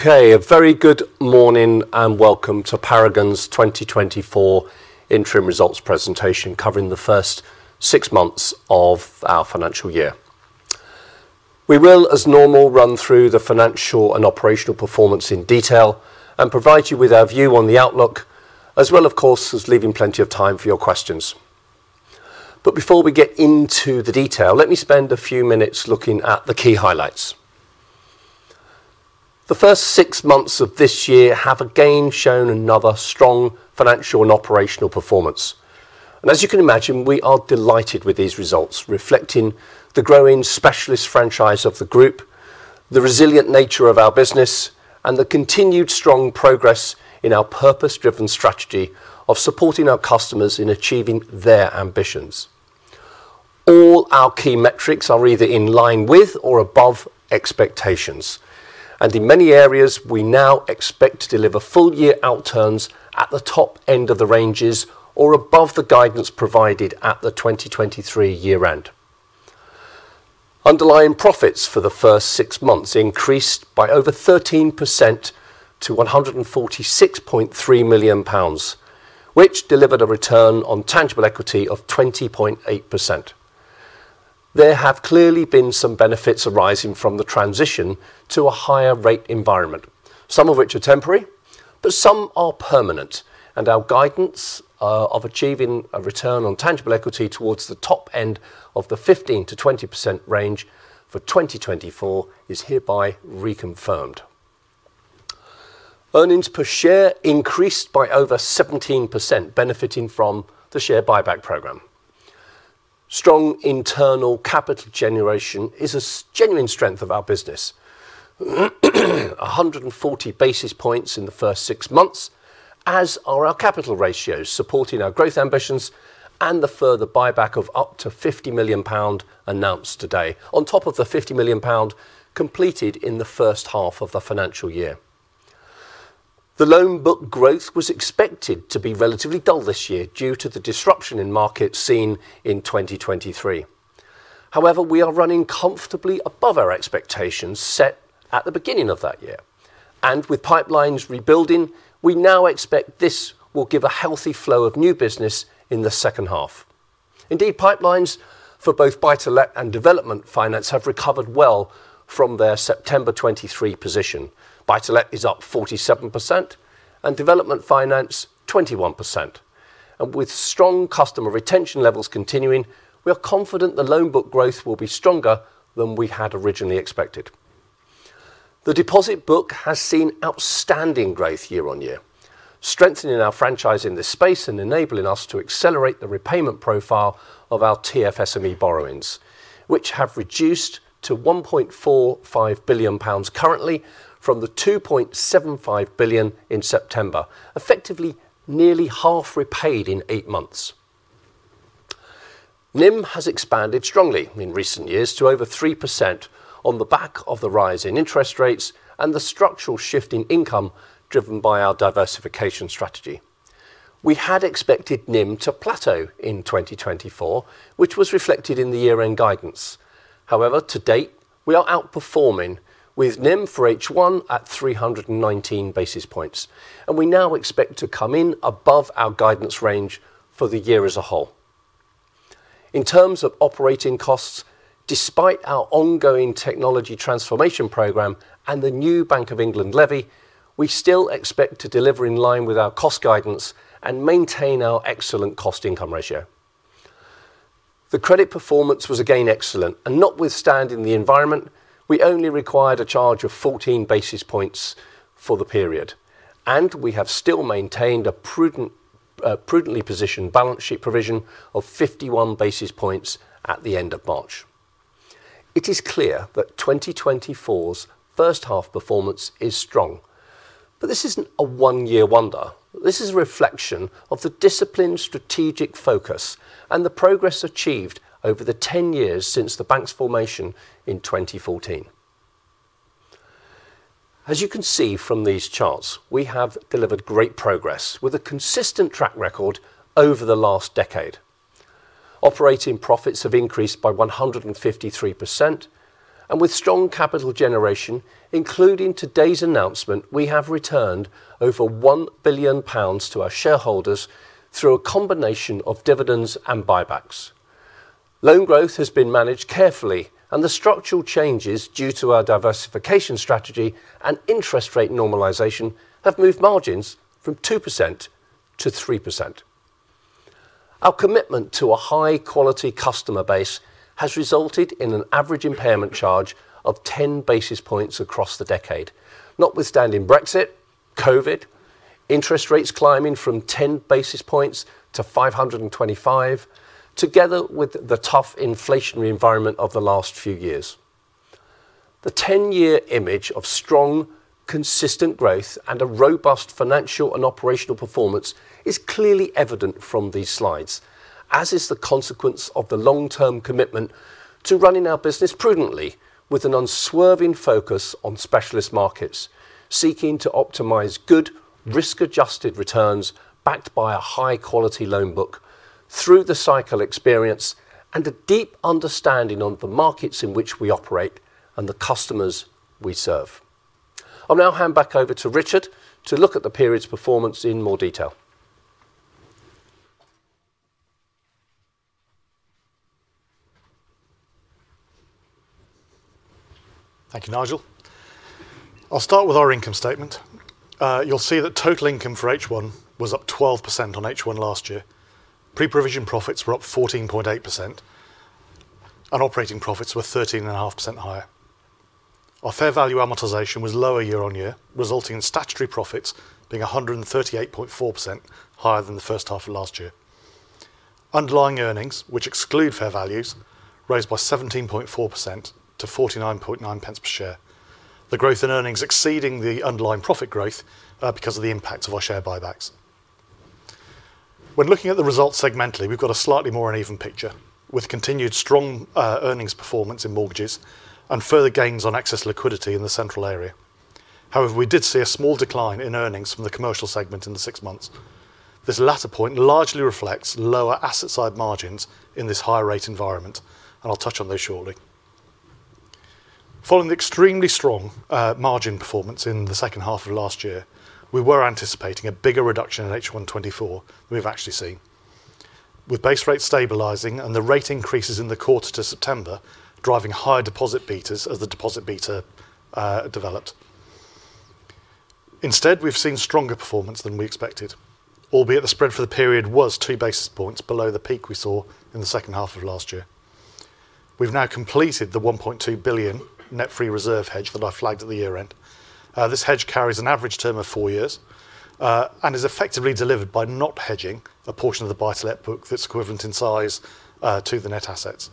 Okay, a very good morning, and welcome to Paragon's 2024 interim results presentation, covering the first six months of our financial year. We will, as normal, run through the financial and operational performance in detail and provide you with our view on the outlook, as well, of course, as leaving plenty of time for your questions. But before we get into the detail, let me spend a few minutes looking at the key highlights. The first six months of this year have again shown another strong financial and operational performance, and as you can imagine, we are delighted with these results, reflecting the growing specialist franchise of the group, the resilient nature of our business, and the continued strong progress in our purpose-driven strategy of supporting our customers in achieving their ambitions. All our key metrics are either in line with or above expectations, and in many areas, we now expect to deliver full-year outturns at the top end of the ranges or above the guidance provided at the 2023 year end. Underlying profits for the first six months increased by over 13% to 146.3 million pounds, which delivered a return on tangible equity of 20.8%. There have clearly been some benefits arising from the transition to a higher rate environment, some of which are temporary, but some are permanent. Our guidance of achieving a return on tangible equity towards the top end of the 15%-20% range for 2024 is hereby reconfirmed. Earnings per share increased by over 17%, benefiting from the share buyback program. Strong internal capital generation is a genuine strength of our business. 140 basis points in the first six months, as are our capital ratios, supporting our growth ambitions and the further buyback of up to 50 million pound announced today, on top of the 50 million pound completed in the first half of the financial year. The loan book growth was expected to be relatively dull this year due to the disruption in markets seen in 2023. However, we are running comfortably above our expectations set at the beginning of that year, and with pipelines rebuilding, we now expect this will give a healthy flow of new business in the second half. Indeed, pipelines for both buy-to-let and development finance have recovered well from their September 2023 position. Buy-to-let is up 47% and development finance, 21%. With strong customer retention levels continuing, we are confident the loan book growth will be stronger than we had originally expected. The deposit book has seen outstanding growth year-on-year, strengthening our franchise in this space and enabling us to accelerate the repayment profile of our TFSME borrowings, which have reduced to 1.45 billion pounds currently from the 2.75 billion in September, effectively nearly half repaid in eight months. NIM has expanded strongly in recent years to over 3% on the back of the rise in interest rates and the structural shift in income driven by our diversification strategy. We had expected NIM to plateau in 2024, which was reflected in the year-end guidance. However, to date, we are outperforming with NIM for H1 at 319 basis points, and we now expect to come in above our guidance range for the year as a whole. In terms of operating costs, despite our ongoing technology transformation program and the new Bank of England levy, we still expect to deliver in line with our cost guidance and maintain our excellent cost-income ratio. The credit performance was again excellent, and notwithstanding the environment, we only required a charge of 14 basis points for the period, and we have still maintained a prudent, prudently positioned balance sheet provision of 51 basis points at the end of March. It is clear that 2024's first half performance is strong, but this isn't a one-year wonder. This is a reflection of the disciplined strategic focus and the progress achieved over the 10 years since the bank's formation in 2014. As you can see from these charts, we have delivered great progress with a consistent track record over the last decade. Operating profits have increased by 153%, and with strong capital generation, including today's announcement, we have returned over 1 billion pounds to our shareholders through a combination of dividends and buybacks. Loan growth has been managed carefully, and the structural changes, due to our diversification strategy and interest rate normalization, have moved margins from 2% to 3%. Our commitment to a high-quality customer base has resulted in an average impairment charge of 10 basis points across the decade, notwithstanding Brexit, COVID, interest rates climbing from 10 basis points to 525, together with the tough inflationary environment of the last few years. The 10-year image of strong, consistent growth and a robust financial and operational performance is clearly evident from these slides, as is the consequence of the long-term commitment to running our business prudently with an unswerving focus on specialist markets, seeking to optimize good risk-adjusted returns, backed by a high-quality loan book.... through the cycle experience and a deep understanding of the markets in which we operate and the customers we serve. I'll now hand back over to Richard to look at the period's performance in more detail. Thank you, Nigel. I'll start with our income statement. You'll see that total income for H1 was up 12% on H1 last year. Pre-provision profits were up 14.8%, and operating profits were 13.5% higher. Our Fair Value Amortization was lower year-on-year, resulting in statutory profits being 138.4% higher than the first half of last year. Underlying earnings, which exclude fair values, raised by 17.4% to 49.9% per share. The growth in earnings exceeding the underlying profit growth, because of the impact of our share buybacks. When looking at the results segmentally, we've got a slightly more uneven picture, with continued strong, earnings performance in mortgages and further gains on excess liquidity in the central area. However, we did see a small decline in earnings from the commercial segment in the six months. This latter point largely reflects lower asset side margins in this higher rate environment, and I'll touch on those shortly. Following the extremely strong margin performance in the second half of last year, we were anticipating a bigger reduction in H1 2024 than we've actually seen, with base rates stabilizing and the rate increases in the quarter to September driving higher deposit betas as the deposit beta developed. Instead, we've seen stronger performance than we expected, albeit the spread for the period was two basis points below the peak we saw in the second half of last year. We've now completed the 1.2 billion net free reserve hedge that I flagged at the year-end. This hedge carries an average term of four years, and is effectively delivered by not hedging a portion of the buy-to-let book that's equivalent in size to the net assets.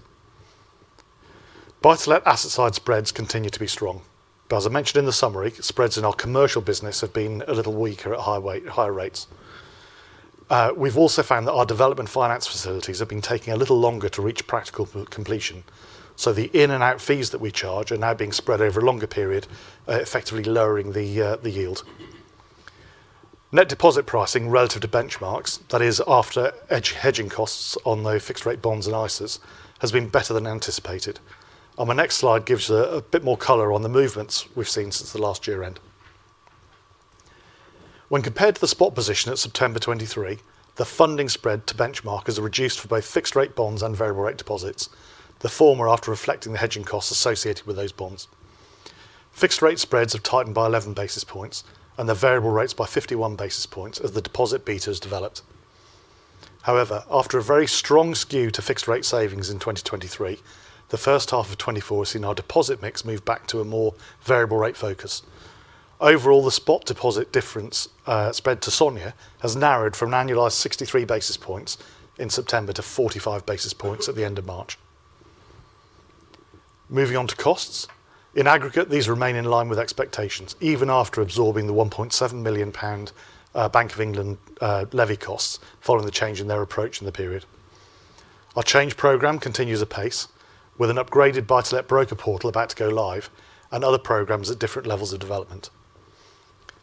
Buy-to-let asset side spreads continue to be strong, but as I mentioned in the summary, spreads in our commercial business have been a little weaker at higher rates. We've also found that our development finance facilities have been taking a little longer to reach practical completion, so the in and out fees that we charge are now being spread over a longer period, effectively lowering the yield. Net deposit pricing relative to benchmarks, that is, after hedging costs on the fixed rate bonds and ISAs, has been better than anticipated. On my next slide gives a bit more color on the movements we've seen since the last year-end. When compared to the spot position at September 2023, the funding spread to benchmark is reduced for both fixed-rate bonds and variable rate deposits. The former, after reflecting the hedging costs associated with those bonds. Fixed rate spreads have tightened by 11 basis points and the variable rates by 51 basis points as the deposit betas developed. However, after a very strong skew to fixed rate savings in 2023, the first half of 2024 has seen our deposit mix move back to a more variable rate focus. Overall, the spot deposit difference, spread to SONIA, has narrowed from an annualized 63 basis points in September to 45 basis points at the end of March. Moving on to costs. In aggregate, these remain in line with expectations, even after absorbing the 1.7 million pound, Bank of England, levy costs following the change in their approach in the period. Our change program continues apace, with an upgraded buy-to-let broker portal about to go live and other programs at different levels of development.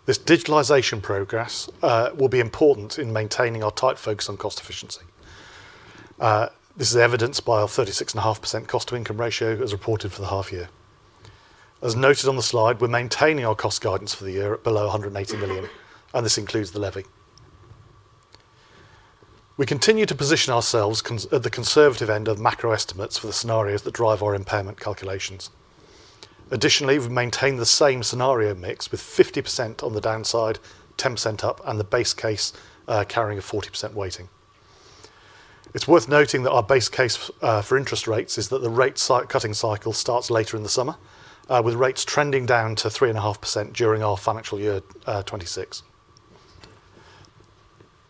This digitalization progress will be important in maintaining our tight focus on cost efficiency. This is evidenced by our 36.5% cost to income ratio as reported for the half year. As noted on the slide, we're maintaining our cost guidance for the year at below 180 million, and this includes the levy. We continue to position ourselves at the conservative end of macro estimates for the scenarios that drive our impairment calculations. Additionally, we've maintained the same scenario mix with 50% on the downside, 10% up, and the base case carrying a 40% weighting. It's worth noting that our base case for interest rates is that the rate cutting cycle starts later in the summer with rates trending down to 3.5% during our financial year 2026.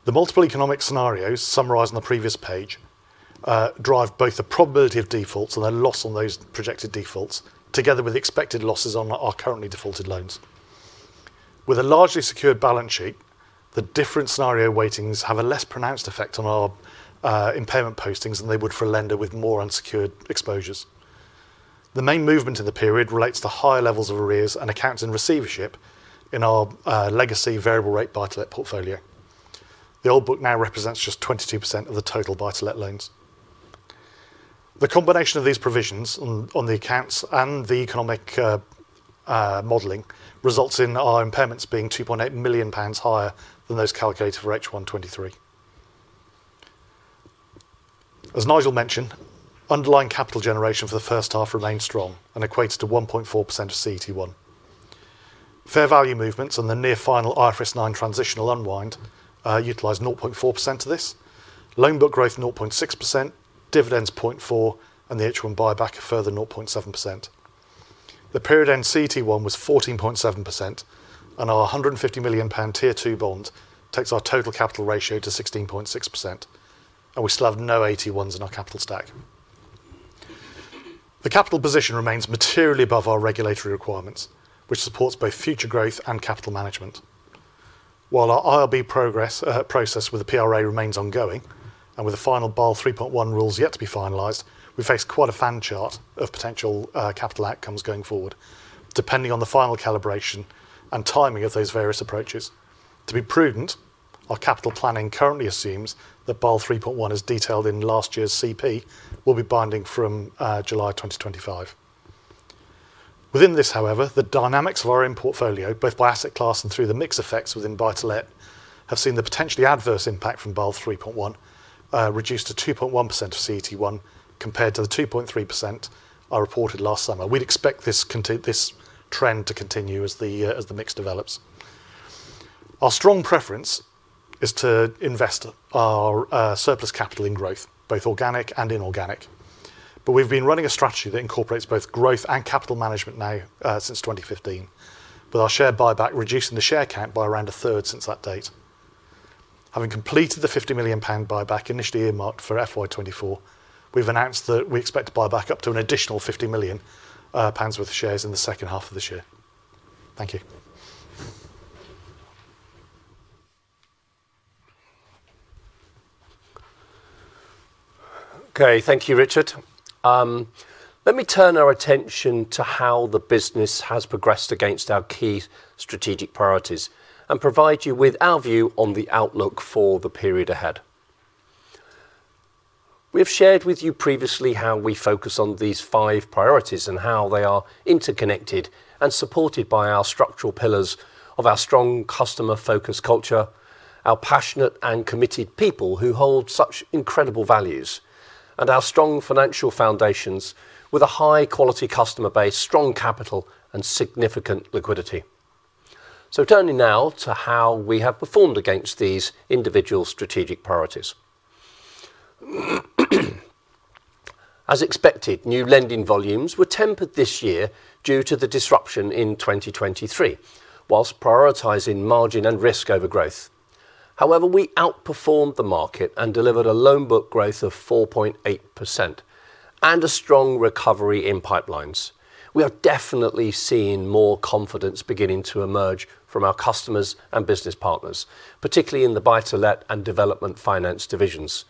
The multiple economic scenarios summarized on the previous page drive both the probability of defaults and the loss on those projected defaults, together with expected losses on our currently defaulted loans. With a largely secured balance sheet, the different scenario weightings have a less pronounced effect on our impairment postings than they would for a lender with more unsecured exposures. The main movement in the period relates to higher levels of arrears and accounts in receivership in our legacy variable rate buy-to-let portfolio. The old book now represents just 22% of the total buy-to-let loans. The combination of these provisions on the accounts and the economic modeling results in our impairments being GBP 2.8 million higher than those calculated for H1 2023. As Nigel mentioned, underlying capital generation for the first half remained strong and equates to 1.4% of CET1. Fair value movements on the near final IFRS 9 transitional unwind utilize 0.4% of this, loan book growth, 0.6%, dividends, 0.4, and the H1 buyback a further 0.7%. The period end CET1 was 14.7%, and our 150 million pound Tier 2 bond takes our total capital ratio to 16.6%, and we still have no AT1s in our capital stack. The capital position remains materially above our regulatory requirements, which supports both future growth and capital management. While our IRB progress, process with the PRA remains ongoing, and with the final Basel 3.1 rules yet to be finalized, we face quite a fan chart of potential, capital outcomes going forward, depending on the final calibration and timing of those various approaches. To be prudent, our capital planning currently assumes that Basel 3.1, as detailed in last year's CP, will be binding from, July 2025. Within this, however, the dynamics of our own portfolio, both by asset class and through the mix effects within Buy-to-Let, have seen the potentially adverse impact from Basel 3.1 reduced to 2.1% of CET1, compared to the 2.3% I reported last summer. We'd expect this trend to continue as the mix develops. Our strong preference is to invest our surplus capital in growth, both organic and inorganic. But we've been running a strategy that incorporates both growth and capital management now since 2015, with our share buyback reducing the share count by around a third since that date. Having completed the 50 million pound buyback initially earmarked for FY 2024, we've announced that we expect to buy back up to an additional 50 million pounds worth of shares in the second half of this year. Thank you. Okay, thank you, Richard. Let me turn our attention to how the business has progressed against our key strategic priorities and provide you with our view on the outlook for the period ahead. We have shared with you previously how we focus on these five priorities, and how they are interconnected and supported by our structural pillars of our strong customer-focused culture, our passionate and committed people who hold such incredible values, and our strong financial foundations with a high-quality customer base, strong capital, and significant liquidity. Turning now to how we have performed against these individual strategic priorities. As expected, new lending volumes were tempered this year due to the disruption in 2023, while prioritizing margin and risk over growth. However, we outperformed the market and delivered a loan book growth of 4.8% and a strong recovery in pipelines. We are definitely seeing more confidence beginning to emerge from our customers and business partners, particularly in the Buy-to-Let and Development Finance divisions.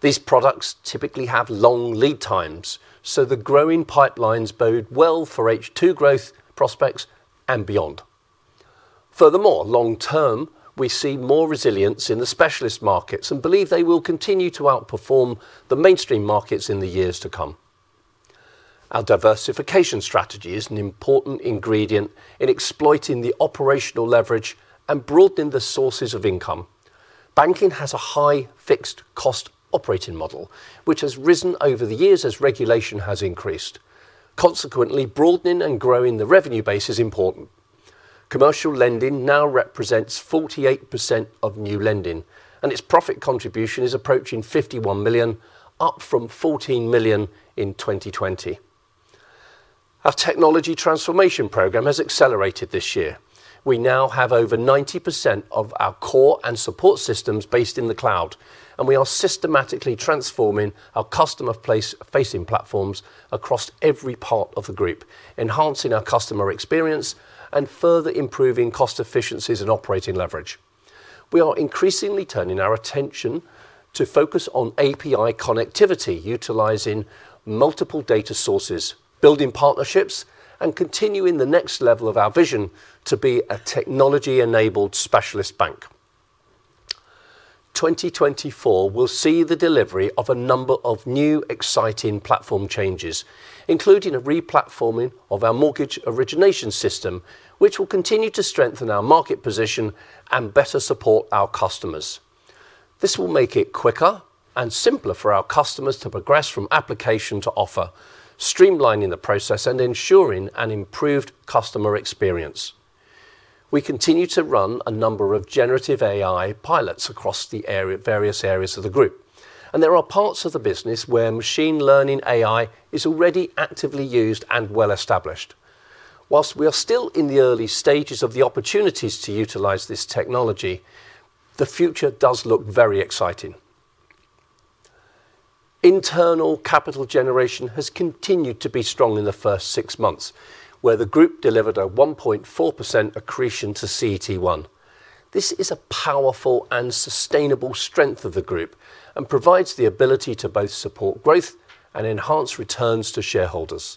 These products typically have long lead times, so the growing pipelines bode well for H2 growth prospects and beyond. Furthermore, long term, we see more resilience in the specialist markets and believe they will continue to outperform the mainstream markets in the years to come. Our diversification strategy is an important ingredient in exploiting the operational leverage and broadening the sources of income. Banking has a high fixed cost operating model, which has risen over the years as regulation has increased. Consequently, broadening and growing the revenue base is important. Commercial lending now represents 48% of new lending, and its profit contribution is approaching 51 million, up from 14 million in 2020. Our technology transformation program has accelerated this year. We now have over 90% of our core and support systems based in the cloud, and we are systematically transforming our customer-facing platforms across every part of the group, enhancing our customer experience and further improving cost efficiencies and operating leverage. We are increasingly turning our attention to focus on API connectivity, utilizing multiple data sources, building partnerships, and continuing the next level of our vision to be a technology-enabled specialist bank. 2024 will see the delivery of a number of new exciting platform changes, including a replatforming of our mortgage origination system, which will continue to strengthen our market position and better support our customers. This will make it quicker and simpler for our customers to progress from application to offer, streamlining the process and ensuring an improved customer experience. We continue to run a number of generative AI pilots across the area, various areas of the group, and there are parts of the business where machine learning AI is already actively used and well-established. Whilst we are still in the early stages of the opportunities to utilize this technology, the future does look very exciting. Internal capital generation has continued to be strong in the first six months, where the group delivered a 1.4% accretion to CET1. This is a powerful and sustainable strength of the group and provides the ability to both support growth and enhance returns to shareholders.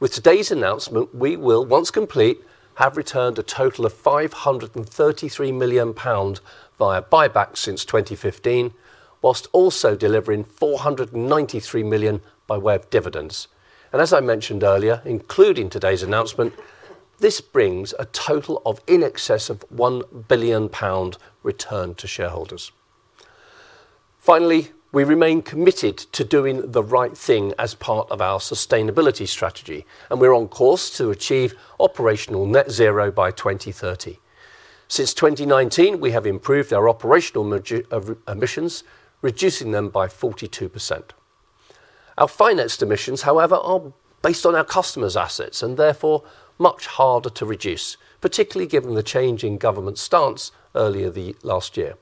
With today's announcement, we will, once complete, have returned a total of 533 million pound via buybacks since 2015, whilst also delivering 493 million by way of dividends. As I mentioned earlier, including today's announcement, this brings a total of in excess of 1 billion pound return to shareholders. Finally, we remain committed to doing the right thing as part of our sustainability strategy, and we're on course to achieve operational net zero by 2030. Since 2019, we have improved our operational emissions, reducing them by 42%. Our financed emissions, however, are based on our customers' assets, and therefore, much harder to reduce, particularly given the change in government stance earlier in the last year.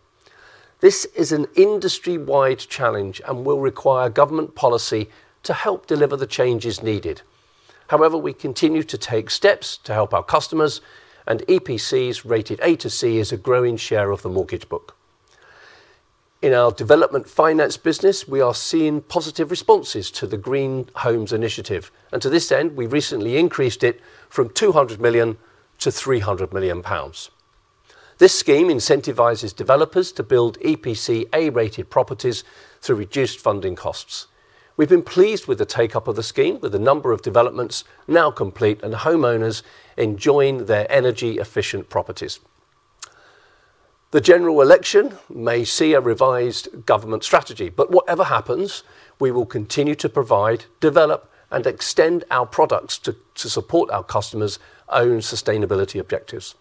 This is an industry-wide challenge and will require government policy to help deliver the changes needed. However, we continue to take steps to help our customers, and EPCs rated A to C is a growing share of the mortgage book. In our development finance business, we are seeing positive responses to the Green Homes Initiative, and to this end, we recently increased it from 200 million to 300 million pounds. This scheme incentivizes developers to build EPC A-rated properties through reduced funding costs. We've been pleased with the take-up of the scheme, with a number of developments now complete and homeowners enjoying their energy-efficient properties. The general election may see a revised government strategy, but whatever happens, we will continue to provide, develop, and extend our products to support our customers' own sustainability objectives.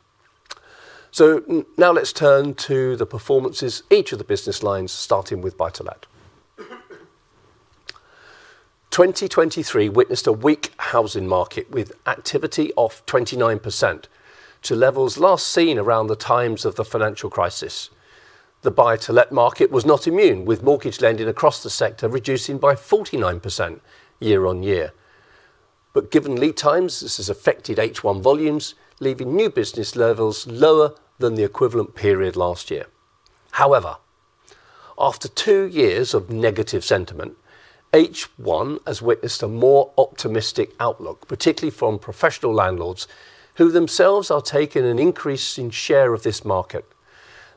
So now let's turn to the performances, each of the business lines, starting with Buy-to-Let. 2023 witnessed a weak housing market, with activity off 29%, to levels last seen around the times of the financial crisis. The Buy-to-Let market was not immune, with mortgage lending across the sector reducing by 49% year-on-year. But given lead times, this has affected H1 volumes, leaving new business levels lower than the equivalent period last year. However, after two years of negative sentiment, H1 has witnessed a more optimistic outlook, particularly from professional landlords, who themselves are taking an increase in share of this market.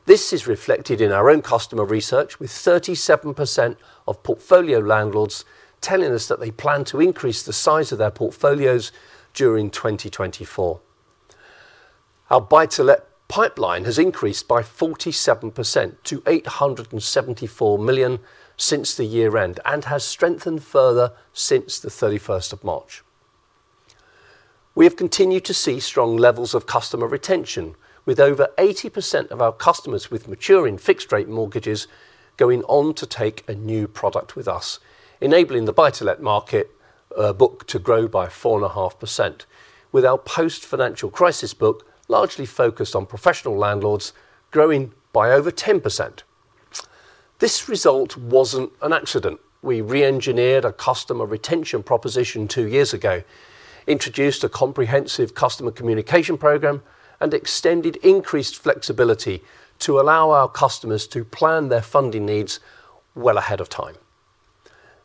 This is reflected in our own customer research, with 37% of portfolio landlords telling us that they plan to increase the size of their portfolios during 2024. Our Buy-to-Let pipeline has increased by 47% to 874 million since the year-end, and has strengthened further since the 31st of March. We have continued to see strong levels of customer retention, with over 80% of our customers with maturing fixed-rate mortgages going on to take a new product with us, enabling the Buy-to-Let market book to grow by 4.5%, with our post-financial-crisis book largely focused on professional landlords growing by over 10%. This result wasn't an accident. We reengineered a customer retention proposition two years ago, introduced a comprehensive customer communication program, and extended increased flexibility to allow our customers to plan their funding needs well ahead of time.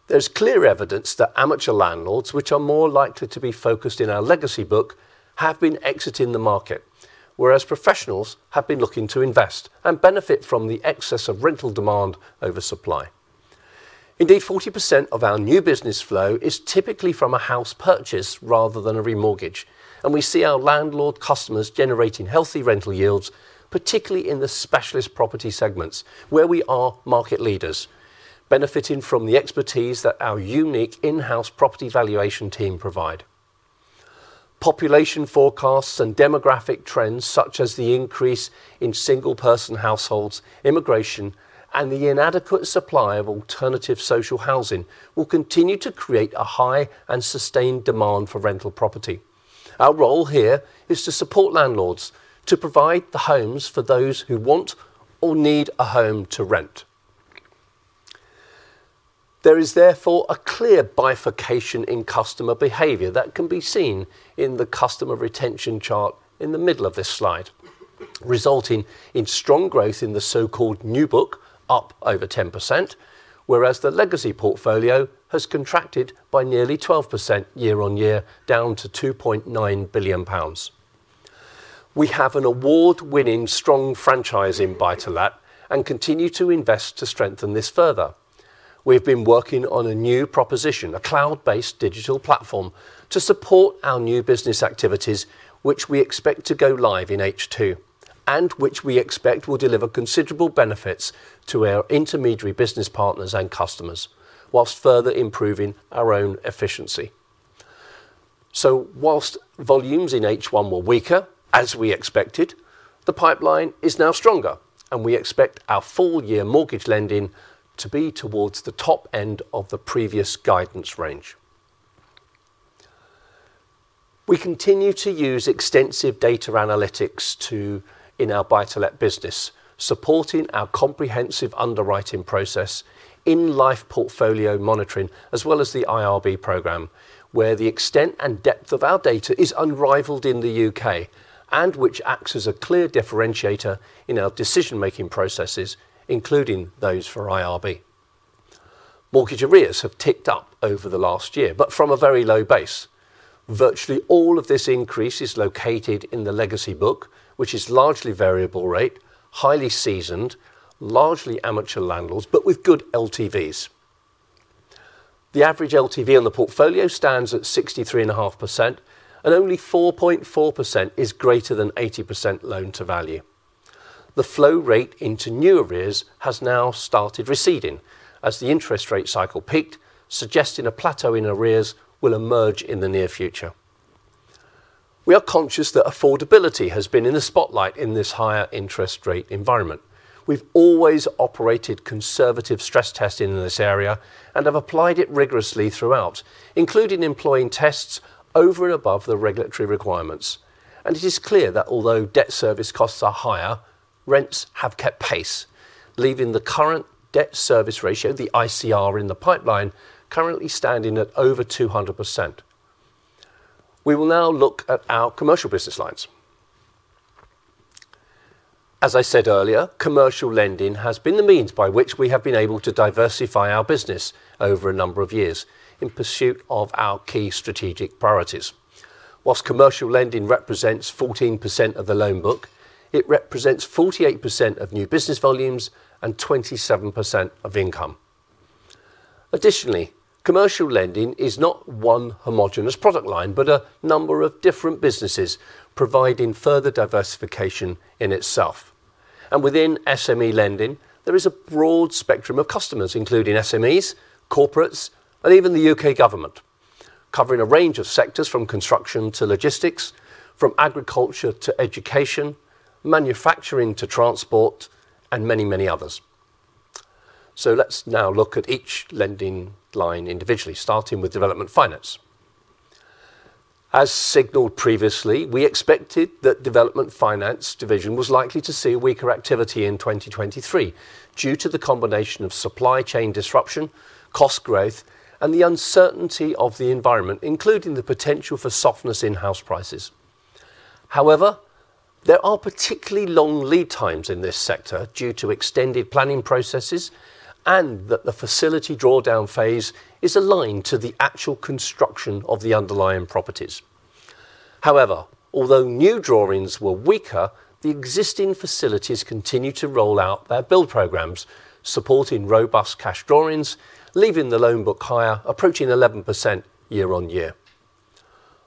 There's clear evidence that amateur landlords, which are more likely to be focused in our legacy book, have been exiting the market, whereas professionals have been looking to invest and benefit from the excess of rental demand over supply. Indeed, 40% of our new business flow is typically from a house purchase rather than a remortgage, and we see our landlord customers generating healthy rental yields, particularly in the specialist property segments, where we are market leaders, benefiting from the expertise that our unique in-house property valuation team provide. Population forecasts and demographic trends, such as the increase in single-person households, immigration, and the inadequate supply of alternative social housing, will continue to create a high and sustained demand for rental property. Our role here is to support landlords, to provide the homes for those who want or need a home to rent. There is therefore a clear bifurcation in customer behavior that can be seen in the customer retention chart in the middle of this slide, resulting in strong growth in the so-called new book, up over 10%, whereas the legacy portfolio has contracted by nearly 12% year-on-year, down to 2.9 billion pounds. We have an award-winning, strong franchise in Buy-to-Let and continue to invest to strengthen this further. We've been working on a new proposition, a cloud-based digital platform, to support our new business activities, which we expect to go live in H2, and which we expect will deliver considerable benefits to our intermediary business partners and customers, while further improving our own efficiency. Whilst volumes in H1 were weaker, as we expected, the pipeline is now stronger, and we expect our full-year mortgage lending to be towards the top end of the previous guidance range. We continue to use extensive data analytics to... in our Buy-to-Let business, supporting our comprehensive underwriting process in-life portfolio monitoring, as well as the IRB program, where the extent and depth of our data is unrivaled in the U.K., and which acts as a clear differentiator in our decision-making processes, including those for IRB. Mortgage arrears have ticked up over the last year, but from a very low base. Virtually all of this increase is located in the legacy book, which is largely variable rate, highly seasoned, largely amateur landlords, but with good LTVs. The average LTV on the portfolio stands at 63.5%, and only 4.4% is greater than 80% loan-to-value. The flow rate into new arrears has now started receding as the interest rate cycle peaked, suggesting a plateau in arrears will emerge in the near future. We are conscious that affordability has been in the spotlight in this higher interest rate environment. We've always operated conservative stress testing in this area and have applied it rigorously throughout, including employing tests over and above the regulatory requirements. It is clear that although debt service costs are higher, rents have kept pace, leaving the current debt service ratio, the ICR in the pipeline, currently standing at over 200%. We will now look at our commercial business lines. As I said earlier, commercial lending has been the means by which we have been able to diversify our business over a number of years in pursuit of our key strategic priorities. While commercial lending represents 14% of the loan book, it represents 48% of new business volumes and 27% of income. Additionally, commercial lending is not one homogenous product line, but a number of different businesses providing further diversification in itself. And within SME lending, there is a broad spectrum of customers, including SMEs, corporates, and even the U.K. government, covering a range of sectors from construction to logistics, from agriculture to education, manufacturing to transport, and many, many others. So let's now look at each lending line individually, starting with development finance. As signaled previously, we expected that development finance division was likely to see weaker activity in 2023 due to the combination of supply chain disruption, cost growth, and the uncertainty of the environment, including the potential for softness in house prices. However, there are particularly long lead times in this sector due to extended planning processes, and that the facility drawdown phase is aligned to the actual construction of the underlying properties. However, although new drawings were weaker, the existing facilities continued to roll out their build programs, supporting robust cash drawings, leaving the loan book higher, approaching 11% year-on-year.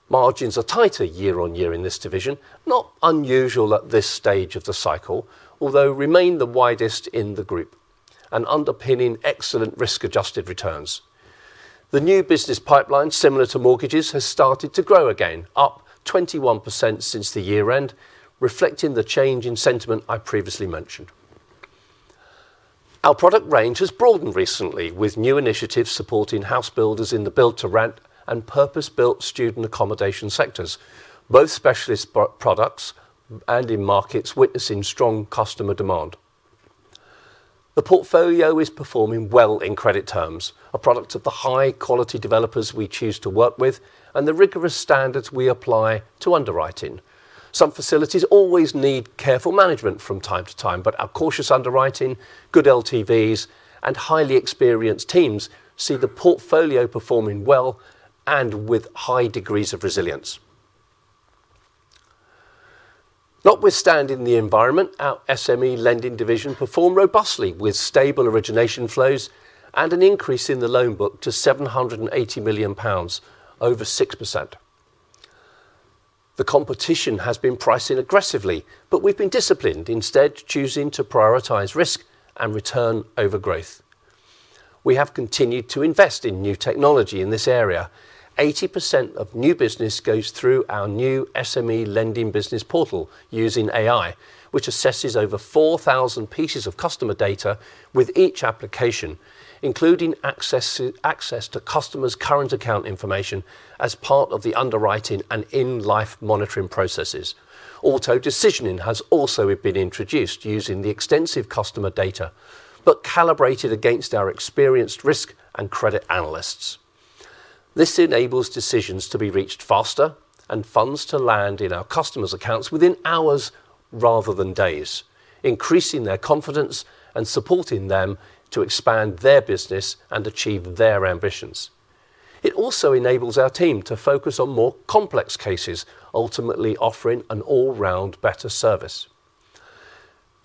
Margins are tighter year-on-year in this division, not unusual at this stage of the cycle, although remain the widest in the group and underpinning excellent risk-adjusted returns. The new business pipeline, similar to mortgages, has started to grow again, up 21% since the year-end, reflecting the change in sentiment I previously mentioned. Our product range has broadened recently, with new initiatives supporting house builders in the build to rent and purpose-built student accommodation sectors, both specialist pro- products and in markets witnessing strong customer demand. The portfolio is performing well in credit terms, a product of the high quality developers we choose to work with and the rigorous standards we apply to underwriting. Some facilities always need careful management from time to time, but our cautious underwriting, good LTVs, and highly experienced teams see the portfolio performing well and with high degrees of resilience. Notwithstanding the environment, our SME lending division performed robustly with stable origination flows and an increase in the loan book to 780 million pounds, over 6%. The competition has been pricing aggressively, but we've been disciplined, instead choosing to prioritize risk and return over growth. We have continued to invest in new technology in this area. 80% of new business goes through our new SME Lending business portal using AI, which assesses over 4,000 pieces of customer data with each application, including access to customers' current account information as part of the underwriting and in-life monitoring processes. Auto decisioning has also been introduced using the extensive customer data, but calibrated against our experienced risk and credit analysts. This enables decisions to be reached faster and funds to land in our customers' accounts within hours rather than days, increasing their confidence and supporting them to expand their business and achieve their ambitions. It also enables our team to focus on more complex cases, ultimately offering an all-around better service.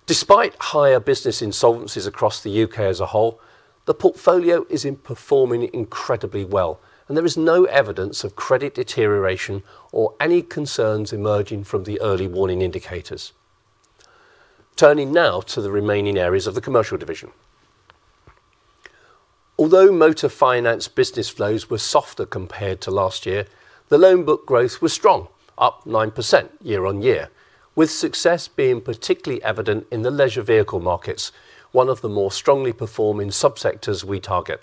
Despite higher business insolvencies across the UK as a whole, the portfolio is in performing incredibly well, and there is no evidence of credit deterioration or any concerns emerging from the early warning indicators. Turning now to the remaining areas of the commercial division. Although motor finance business flows were softer compared to last year, the loan book growth was strong, up 9% year-on-year, with success being particularly evident in the leisure vehicle markets, one of the more strongly performing subsectors we target.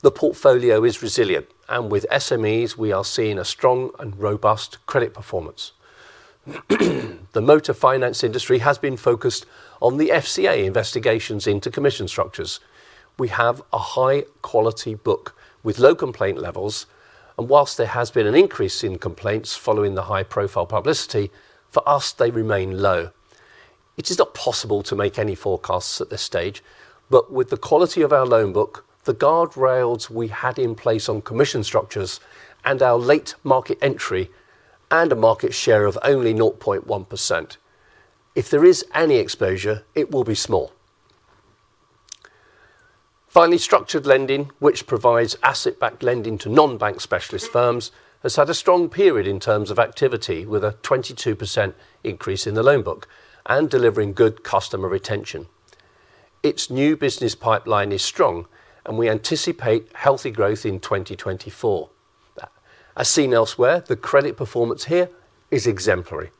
The portfolio is resilient, and with SMEs, we are seeing a strong and robust credit performance. The motor finance industry has been focused on the FCA investigations into commission structures. We have a high quality book with low complaint levels, and whilst there has been an increase in complaints following the high-profile publicity, for us, they remain low. It is not possible to make any forecasts at this stage, but with the quality of our loan book, the guard rails we had in place on commission structures and our late market entry and a market share of only 0.1%, if there is any exposure, it will be small. Finally, structured lending, which provides asset-backed lending to non-bank specialist firms, has had a strong period in terms of activity with a 22% increase in the loan book and delivering good customer retention. Its new business pipeline is strong, and we anticipate healthy growth in 2024. As seen elsewhere, the credit performance here is exemplary.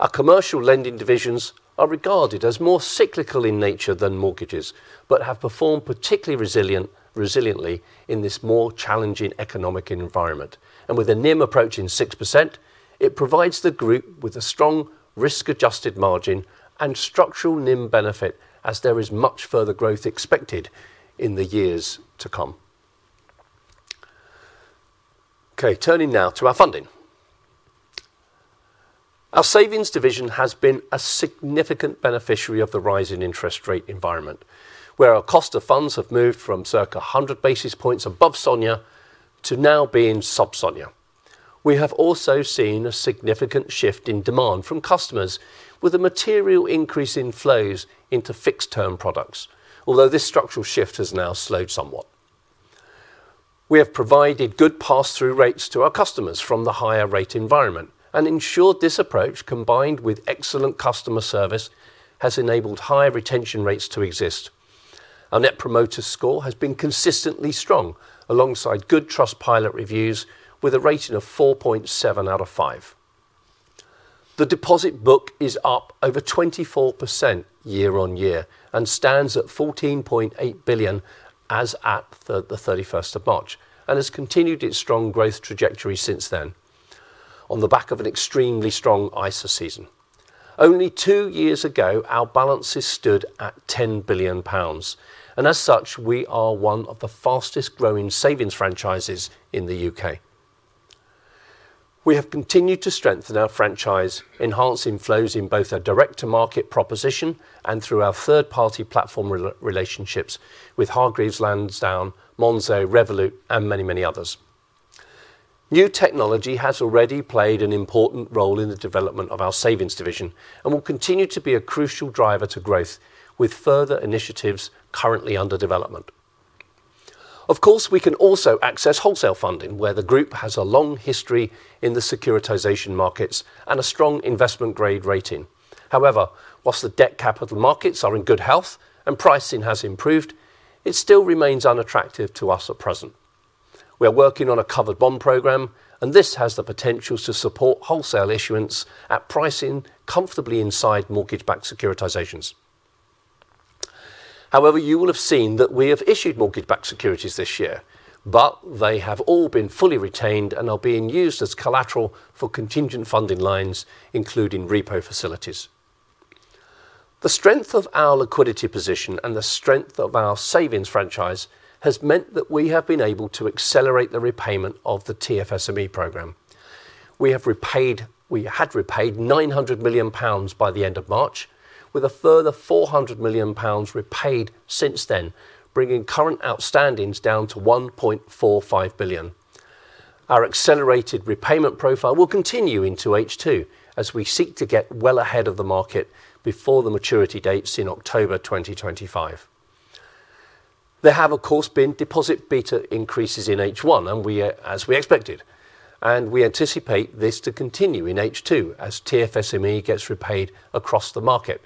Our commercial lending divisions are regarded as more cyclical in nature than mortgages, but have performed particularly resilient, resiliently in this more challenging economic environment. And with a NIM approach in 6%, it provides the group with a strong risk-adjusted margin and structural NIM benefit as there is much further growth expected in the years to come. Okay, turning now to our funding. Our savings division has been a significant beneficiary of the rise in interest rate environment, where our cost of funds have moved from circa 100 basis points above SONIA to now being sub-SONIA. We have also seen a significant shift in demand from customers, with a material increase in flows into fixed-term products, although this structural shift has now slowed somewhat. We have provided good pass-through rates to our customers from the higher rate environment and ensured this approach, combined with excellent customer service, has enabled higher retention rates to exist. Our Net Promoter Score has been consistently strong, alongside good Trustpilot reviews, with a rating of 4.7 out of five. The deposit book is up over 24% year-on-year and stands at 14.8 billion as at the 31st of March, and has continued its strong growth trajectory since then, on the back of an extremely strong ISA season. Only two years ago, our balances stood at 10 billion pounds, and as such, we are one of the fastest growing savings franchises in the U.K. We have continued to strengthen our franchise, enhancing flows in both our direct-to-market proposition and through our third-party platform relationships with Hargreaves Lansdown, Monzo, Revolut, and many, many others. New technology has already played an important role in the development of our savings division and will continue to be a crucial driver to growth, with further initiatives currently under development. Of course, we can also access wholesale funding, where the group has a long history in the securitization markets and a strong investment grade rating. However, whilst the debt capital markets are in good health and pricing has improved, it still remains unattractive to us at present. We are working on a covered bond program, and this has the potential to support wholesale issuance at pricing comfortably inside mortgage-backed securitizations. However, you will have seen that we have issued mortgage-backed securities this year, but they have all been fully retained and are being used as collateral for contingent funding lines, including repo facilities. The strength of our liquidity position and the strength of our savings franchise has meant that we have been able to accelerate the repayment of the TFSME program. We have repaid nine hundred million pounds by the end of March, with a further four hundred million pounds repaid since then, bringing current outstandings down to one point four five billion. Our accelerated repayment profile will continue into H2, as we seek to get well ahead of the market before the maturity dates in October 2025. There have, of course, been deposit beta increases in H1, and we, as we expected, and we anticipate this to continue in H2 as TFSME gets repaid across the market.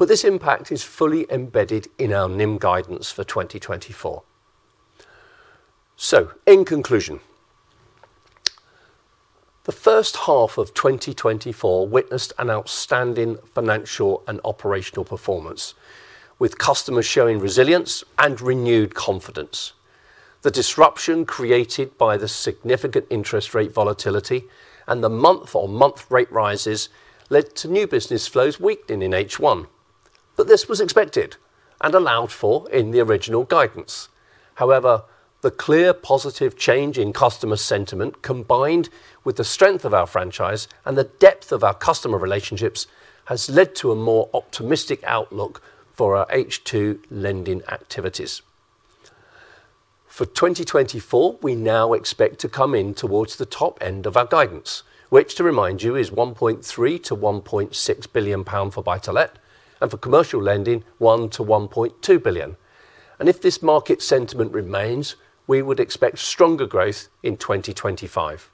But this impact is fully embedded in our NIM guidance for 2024. In conclusion, the first half of 2024 witnessed an outstanding financial and operational performance, with customers showing resilience and renewed confidence. The disruption created by the significant interest rate volatility and the month-on-month rate rises led to new business flows weakening in H1, but this was expected and allowed for in the original guidance. However, the clear positive change in customer sentiment, combined with the strength of our franchise and the depth of our customer relationships, has led to a more optimistic outlook for our H2 lending activities. For 2024, we now expect to come in towards the top end of our guidance, which, to remind you, is 1.3 billion- 1.6 billion pound for buy to let, and for commercial lending, 1 billion-1.2 billion. If this market sentiment remains, we would expect stronger growth in 2025.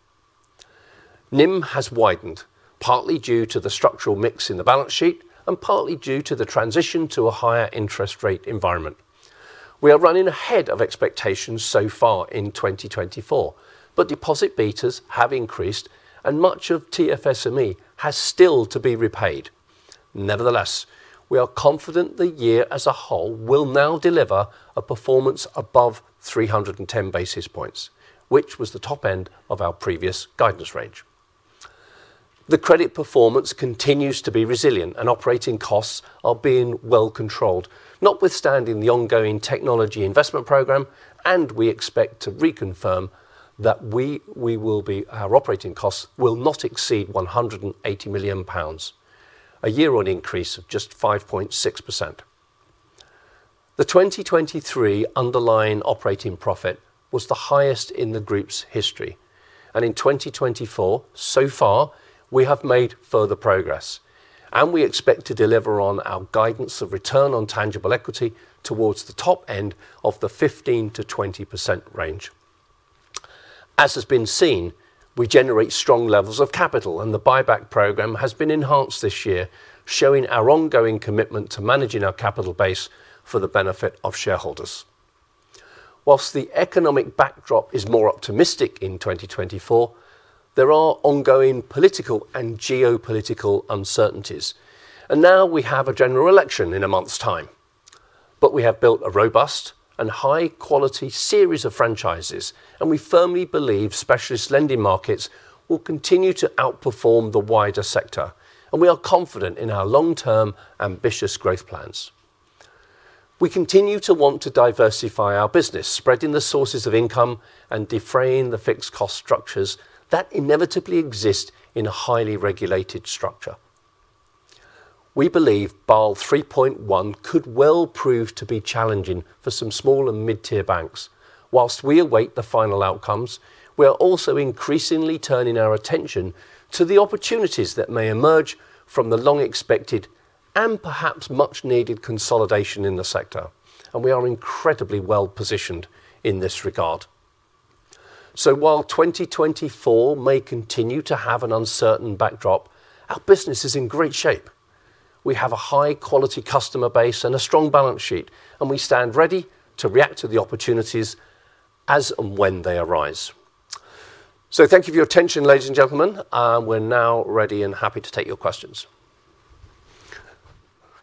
NIM has widened, partly due to the structural mix in the balance sheet and partly due to the transition to a higher interest rate environment. We are running ahead of expectations so far in 2024, but deposit betas have increased and much of TFSME has still to be repaid. Nevertheless, we are confident the year as a whole will now deliver a performance above 310 basis points, which was the top end of our previous guidance range. The credit performance continues to be resilient, and operating costs are being well controlled, notwithstanding the ongoing technology investment program, and we expect to reconfirm that we will be—our operating costs will not exceed 180 million pounds, a year-on-year increase of just 5.6%. The 2023 underlying operating profit was the highest in the group's history, and in 2024, so far, we have made further progress, and we expect to deliver on our guidance of return on tangible equity towards the top end of the 15%-20% range. As has been seen, we generate strong levels of capital, and the buyback program has been enhanced this year, showing our ongoing commitment to managing our capital base for the benefit of shareholders. While the economic backdrop is more optimistic in 2024, there are ongoing political and geopolitical uncertainties, and now we have a general election in a month's time. But we have built a robust and high-quality series of franchises, and we firmly believe specialist lending markets will continue to outperform the wider sector, and we are confident in our long-term, ambitious growth plans. We continue to want to diversify our business, spreading the sources of income and defraying the fixed cost structures that inevitably exist in a highly regulated structure. We believe Basel 3.1 could well prove to be challenging for some small and mid-tier banks. Whilst we await the final outcomes, we are also increasingly turning our attention to the opportunities that may emerge from the long-expected and perhaps much-needed consolidation in the sector, and we are incredibly well-positioned in this regard. So while 2024 may continue to have an uncertain backdrop, our business is in great shape. We have a high-quality customer base and a strong balance sheet, and we stand ready to react to the opportunities as and when they arise. So thank you for your attention, ladies and gentlemen. We're now ready and happy to take your questions. I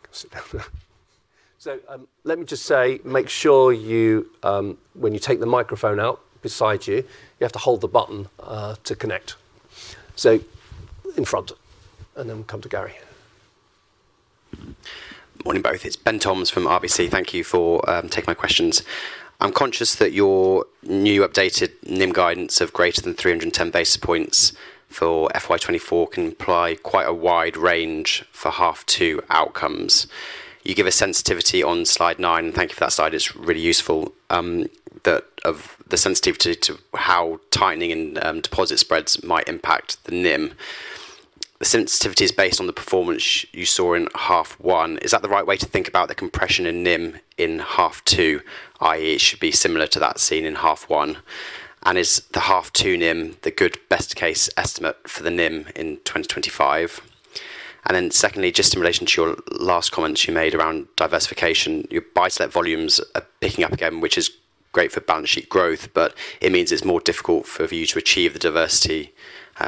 can sit down now. So, let me just say, make sure you, when you take the microphone out beside you, you have to hold the button, to connect. So in front, and then we'll come to Gary. Morning, both. It's Ben Toms from RBC. Thank you for taking my questions. I'm conscious that your new updated NIM guidance of greater than 310 basis points for FY 2024 can imply quite a wide range for half two outcomes. You give a sensitivity on Slide nine, and thank you for that slide. It's really useful, the sensitivity to how tightening and deposit spreads might impact the NIM. The sensitivity is based on the performance you saw in half one. Is that the right way to think about the compression in NIM in half two, i.e., it should be similar to that seen in half one? And is the half two NIM the good best case estimate for the NIM in 2025? And then secondly, just in relation to your last comments you made around diversification, your Buy-to-Let volumes are picking up again, which is great for balance sheet growth, but it means it's more difficult for you to achieve the diversification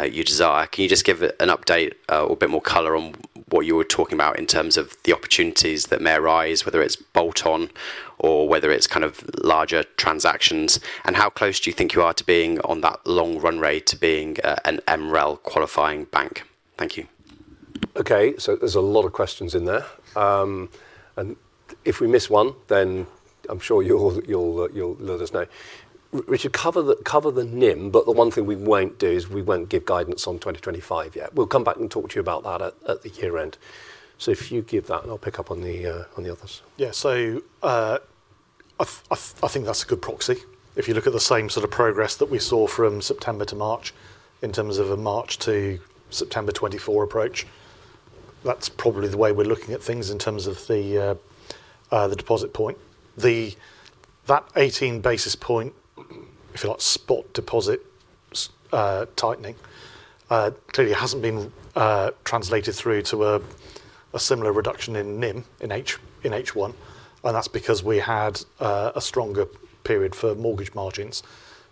you desire. Can you just give an update or a bit more color on what you were talking about in terms of the opportunities that may arise, whether it's bolt-on or whether it's kind of larger transactions, and how close do you think you are to being on that long run rate to being an MREL qualifying bank? Thank you. Okay, so there's a lot of questions in there. And if we miss one, then I'm sure you'll let us know. Richard, cover the NIM, but the one thing we won't do is we won't give guidance on 2025 yet. We'll come back and talk to you about that at the year-end. So if you give that, and I'll pick up on the others. Yeah, so, I think that's a good proxy. If you look at the same sort of progress that we saw from September to March in terms of a March to September 2024 approach, that's probably the way we're looking at things in terms of the deposit point. That 18 basis point, if you like, spot deposit tightening clearly hasn't been translated through to a similar reduction in NIM in H1, and that's because we had a stronger period for mortgage margins.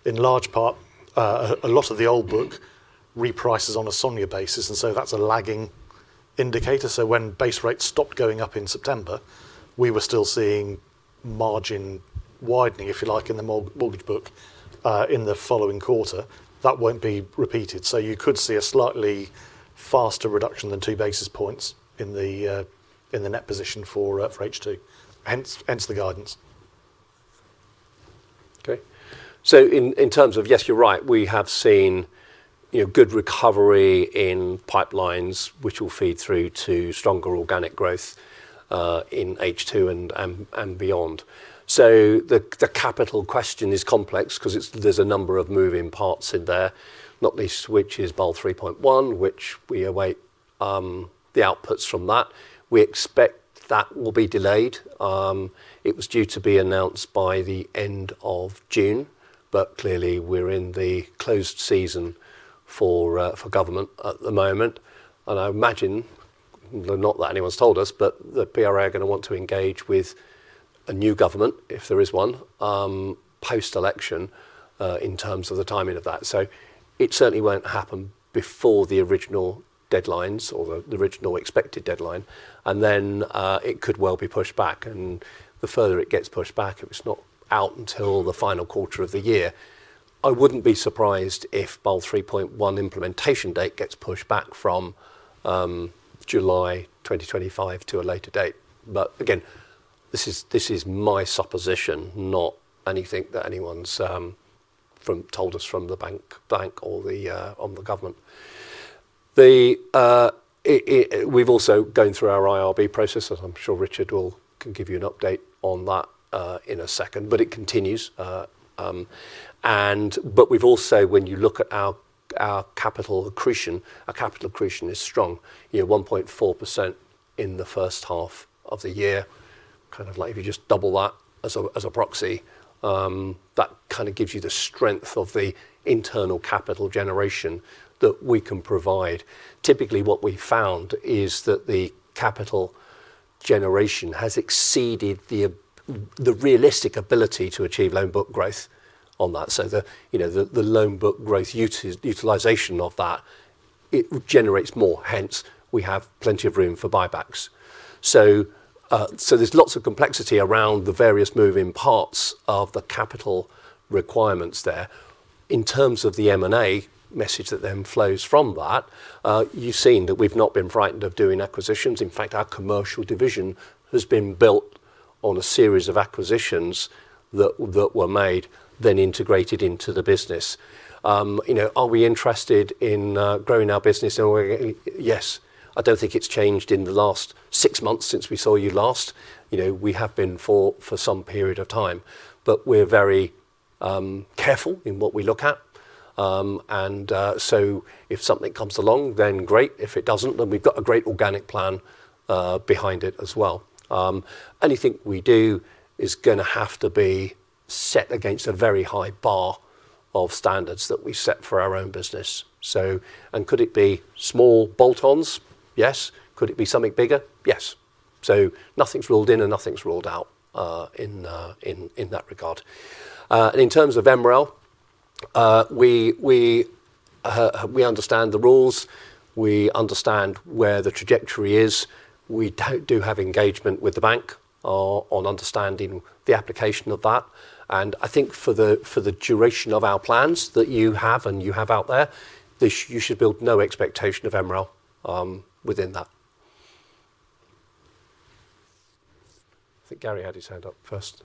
In large part, a lot of the old book reprices on a SONIA basis, and so that's a lagging indicator. So when base rates stopped going up in September, we were still seeing margin widening, if you like, in the mortgage book in the following quarter. That won't be repeated. So you could see a slightly faster reduction than two basis points in the net position for H2, hence the guidance. Okay. So in terms of... Yes, you're right, we have seen, you know, good recovery in pipelines, which will feed through to stronger organic growth in H2 and beyond. So the capital question is complex 'cause it's, there's a number of moving parts in there, not least which is Basel 3.1, which we await, the outputs from that. We expect that will be delayed. It was due to be announced by the end of June, but clearly, we're in the closed season for government at the moment. I imagine, not that anyone's told us, but the PRA are gonna want to engage with a new government, if there is one, post-election, in terms of the timing of that. So it certainly won't happen before the original deadlines or the original expected deadline, and then it could well be pushed back. And the further it gets pushed back, if it's not out until the final quarter of the year, I wouldn't be surprised if Basel 3.1 implementation date gets pushed back from July 2025 to a later date. But again, this is my supposition, not anything that anyone's from told us from the bank or the on the government. We've also going through our IRB process, as I'm sure Richard will can give you an update on that in a second, but it continues. And but we've also, when you look at our, our capital accretion, our capital accretion is strong, you know, 1.4% in the first half of the year. Kind of like if you just double that as a, as a proxy, that kind of gives you the strength of the internal capital generation that we can provide. Typically, what we found is that the capital generation has exceeded the, the realistic ability to achieve loan book growth on that. So the, you know, the, the loan book growth utilization of that, it generates more, hence, we have plenty of room for buybacks. So, so there's lots of complexity around the various moving parts of the capital requirements there. In terms of the M&A message that then flows from that, you've seen that we've not been frightened of doing acquisitions. In fact, our commercial division has been built on a series of acquisitions that were made, then integrated into the business. You know, are we interested in growing our business? And we're, yes. I don't think it's changed in the last six months since we saw you last. You know, we have been for some period of time, but we're very careful in what we look at. And so if something comes along, then great. If it doesn't, then we've got a great organic plan behind it as well. Anything we do is gonna have to be set against a very high bar of standards that we set for our own business. So, and could it be small bolt-ons? Yes. Could it be something bigger? Yes. So nothing's ruled in, and nothing's ruled out in that regard. And in terms of MREL, we understand the rules, we understand where the trajectory is. We do have engagement with the bank on understanding the application of that. And I think for the duration of our plans that you have and you have out there, this, you should build no expectation of MREL within that. I think Gary had his hand up first.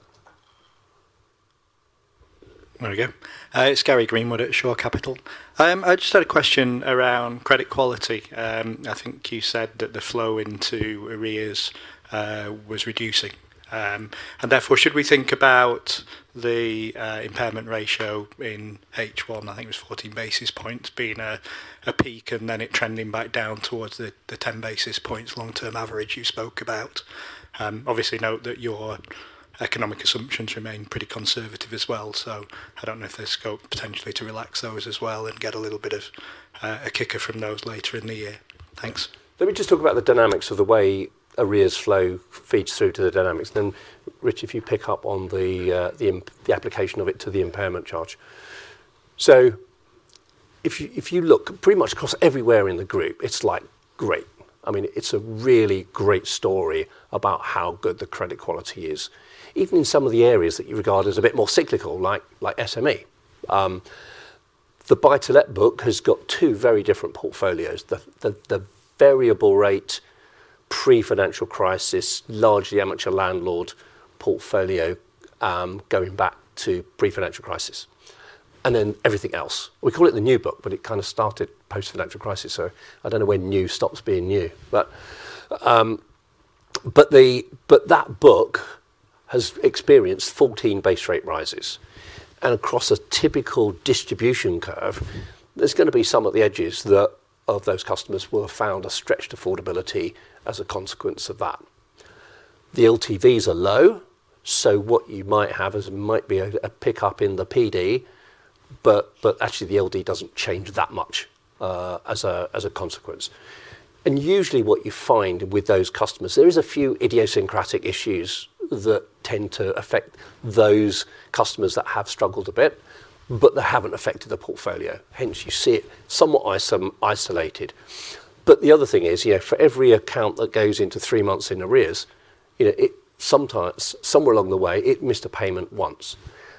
There we go. It's Gary Greenwood at Shore Capital. I just had a question around credit quality. I think you said that the flow into arrears was reducing. And therefore, should we think about the impairment ratio in H1, I think it was 14 basis points, being a peak, and then it trending back down towards the 10 basis points long-term average you spoke about? Obviously, note that your economic assumptions remain pretty conservative as well, so I don't know if there's scope potentially to relax those as well and get a little bit of a kicker from those later in the year. Thanks. Let me just talk about the dynamics of the way arrears flow feeds through to the dynamics. Then, Rich, if you pick up on the application of it to the impairment charge. So if you look pretty much across everywhere in the group, it's like great. I mean, it's a really great story about how good the credit quality is, even in some of the areas that you regard as a bit more cyclical, like SME. The buy-to-let book has got two very different portfolios. The variable rate, pre-financial crisis, largely amateur landlord portfolio, going back to pre-financial crisis, and then everything else. We call it the new book, but it kind of started post-financial crisis, so I don't know when new stops being new. But that book has experienced 14 base rate rises. Across a typical distribution curve, there's gonna be some at the edges that, of those customers will have found a stretched affordability as a consequence of that. The LTVs are low, so what you might have is might be a pickup in the PD, but actually, the LGD doesn't change that much, as a consequence. And usually what you find with those customers, there is a few idiosyncratic issues that tend to affect those customers that have struggled a bit, but they haven't affected the portfolio. Hence, you see it somewhat isolated. But the other thing is, you know, for every account that goes into three months in arrears, you know, it sometimes, somewhere along the way, it missed a payment once.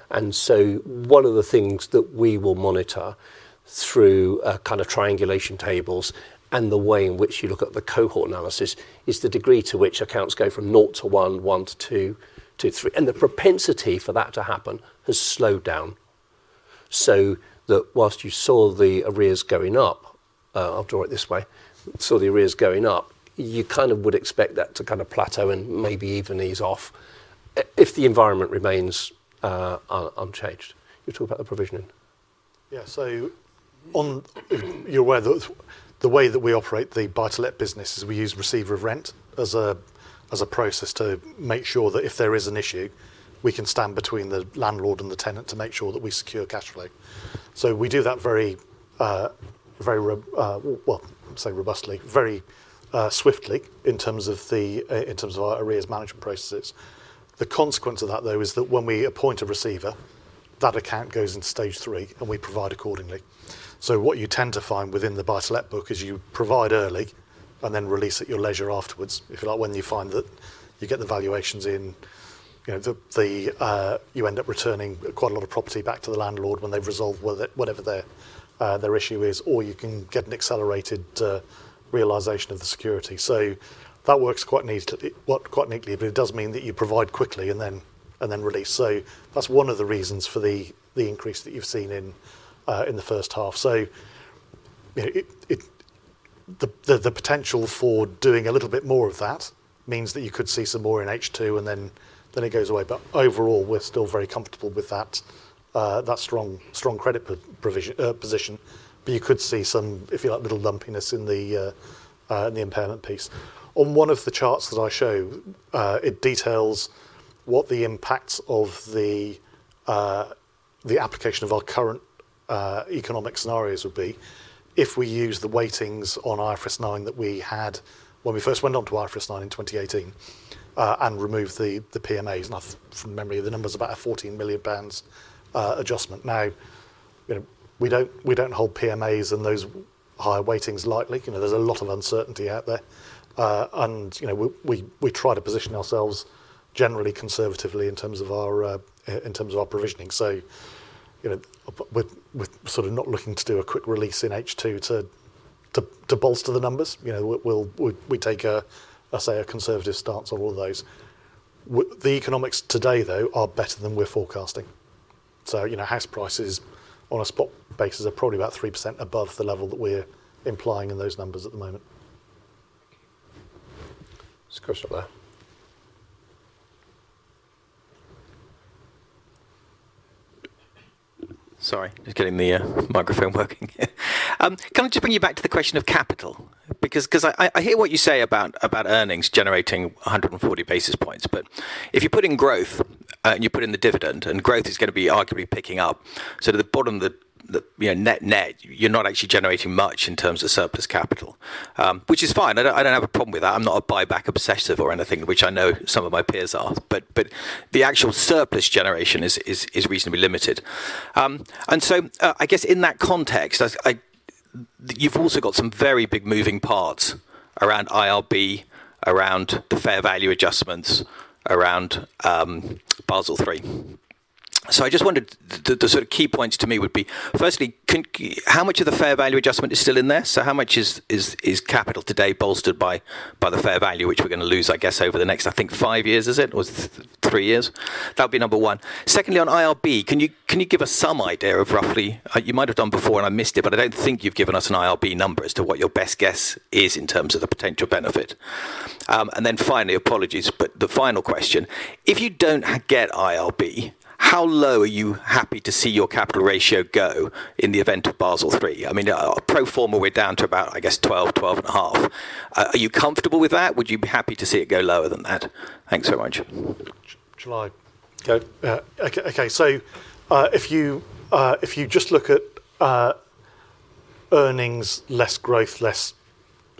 One of the things that we will monitor through kind of triangulation tables and the way in which you look at the cohort analysis is the degree to which accounts go from nought to one, one to two, two to three. The propensity for that to happen has slowed down. So that while you saw the arrears going up, I'll draw it this way, saw the arrears going up, you kind of would expect that to kind of plateau and maybe even ease off, if the environment remains unchanged. You talk about the provisioning. Yeah. So you're aware that the way that we operate the buy-to-let business is we use receiver of rent as a, as a process to make sure that if there is an issue, we can stand between the landlord and the tenant to make sure that we secure cash flow. So we do that very, very well, I'm saying robustly, very swiftly in terms of the, in terms of our arrears management processes. The consequence of that, though, is that when we appoint a receiver, that account goes into stage three, and we provide accordingly. So what you tend to find within the buy-to-let book is you provide early and then release at your leisure afterwards, if, like, when you find that you get the valuations in, you know, the, the, you end up returning quite a lot of property back to the landlord when they've resolved whatever their, their issue is, or you can get an accelerated realization of the security. So that works quite neatly, well, quite neatly, but it does mean that you provide quickly and then, and then release. So that's one of the reasons for the, the increase that you've seen in, in the first half. So, you know, it, it... the, the potential for doing a little bit more of that means that you could see some more in H2, and then, then it goes away. Overall, we're still very comfortable with that, that strong, strong credit provision, position. You could see some, if you like, little lumpiness in the, in the impairment piece. On one of the charts that I show, it details what the impacts of the, the application of our current, economic scenarios would be if we use the weightings on IFRS 9 that we had when we first went on to IFRS 9 in 2018, and removed the, the PMAs. Now, from memory, the number is about 14 million pounds, adjustment. Now, you know, we don't, we don't hold PMAs and those higher weightings lightly. You know, there's a lot of uncertainty out there. You know, we try to position ourselves generally conservatively in terms of our, in terms of our provisioning. So, you know, we're sort of not looking to do a quick release in H2 to bolster the numbers, you know, we'll take a, let's say, a conservative stance on all of those. The economics today, though, are better than we're forecasting. So, you know, house prices on a spot basis are probably about 3% above the level that we're implying in those numbers at the moment. There's a question up there. Sorry, just getting the microphone working. Can I just bring you back to the question of capital? Because, 'cause I hear what you say about earnings generating 140 basis points, but if you put in growth, and you put in the dividend, and growth is gonna be arguably picking up, so at the bottom, you know, net net, you're not actually generating much in terms of surplus capital. Which is fine. I don't have a problem with that. I'm not a buyback obsessive or anything, which I know some of my peers are. But the actual surplus generation is reasonably limited. And so I guess in that context, you've also got some very big moving parts around IRB, around the fair value adjustments, around Basel III. So I just wondered, the sort of key points to me would be, firstly, how much of the fair value adjustment is still in there? So how much is capital today bolstered by the fair value, which we're going to lose, I guess, over the next, I think, five years, is it? Or three years? That would be number one. Secondly, on IRB, can you give us some idea of roughly... You might have done before, and I missed it, but I don't think you've given us an IRB number as to what your best guess is in terms of the potential benefit. And then finally, apologies, but the final question: If you don't get IRB, how low are you happy to see your capital ratio go in the event of Basel III? I mean, pro forma, we're down to about, I guess, 12, 12.5. Are you comfortable with that? Would you be happy to see it go lower than that? Thanks so much. Shall I go? Okay, so, if you just look at earnings, less growth, less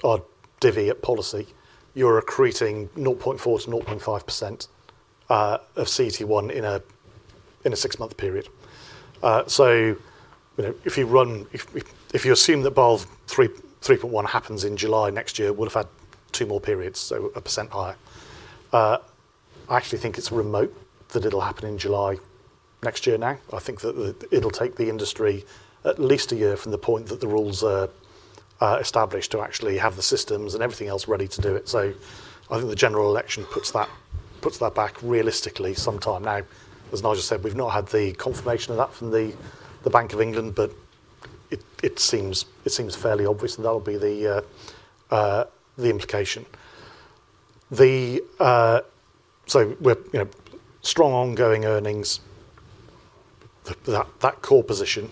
our divi at policy, you're accreting 0.4%-0.5% of CET1 in a six-month period. So, you know, if you run, if you assume that Basel 3.1 happens in July next year, we'll have had two more periods, so 1% higher. I actually think it's remote that it'll happen in July next year now. I think that the... It'll take the industry at least a year from the point that the rules are established to actually have the systems and everything else ready to do it. So I think the general election puts that back realistically sometime now. As Nigel said, we've not had the confirmation of that from the Bank of England, but it seems fairly obvious that will be the implication. So we're, you know, strong ongoing earnings, that core position.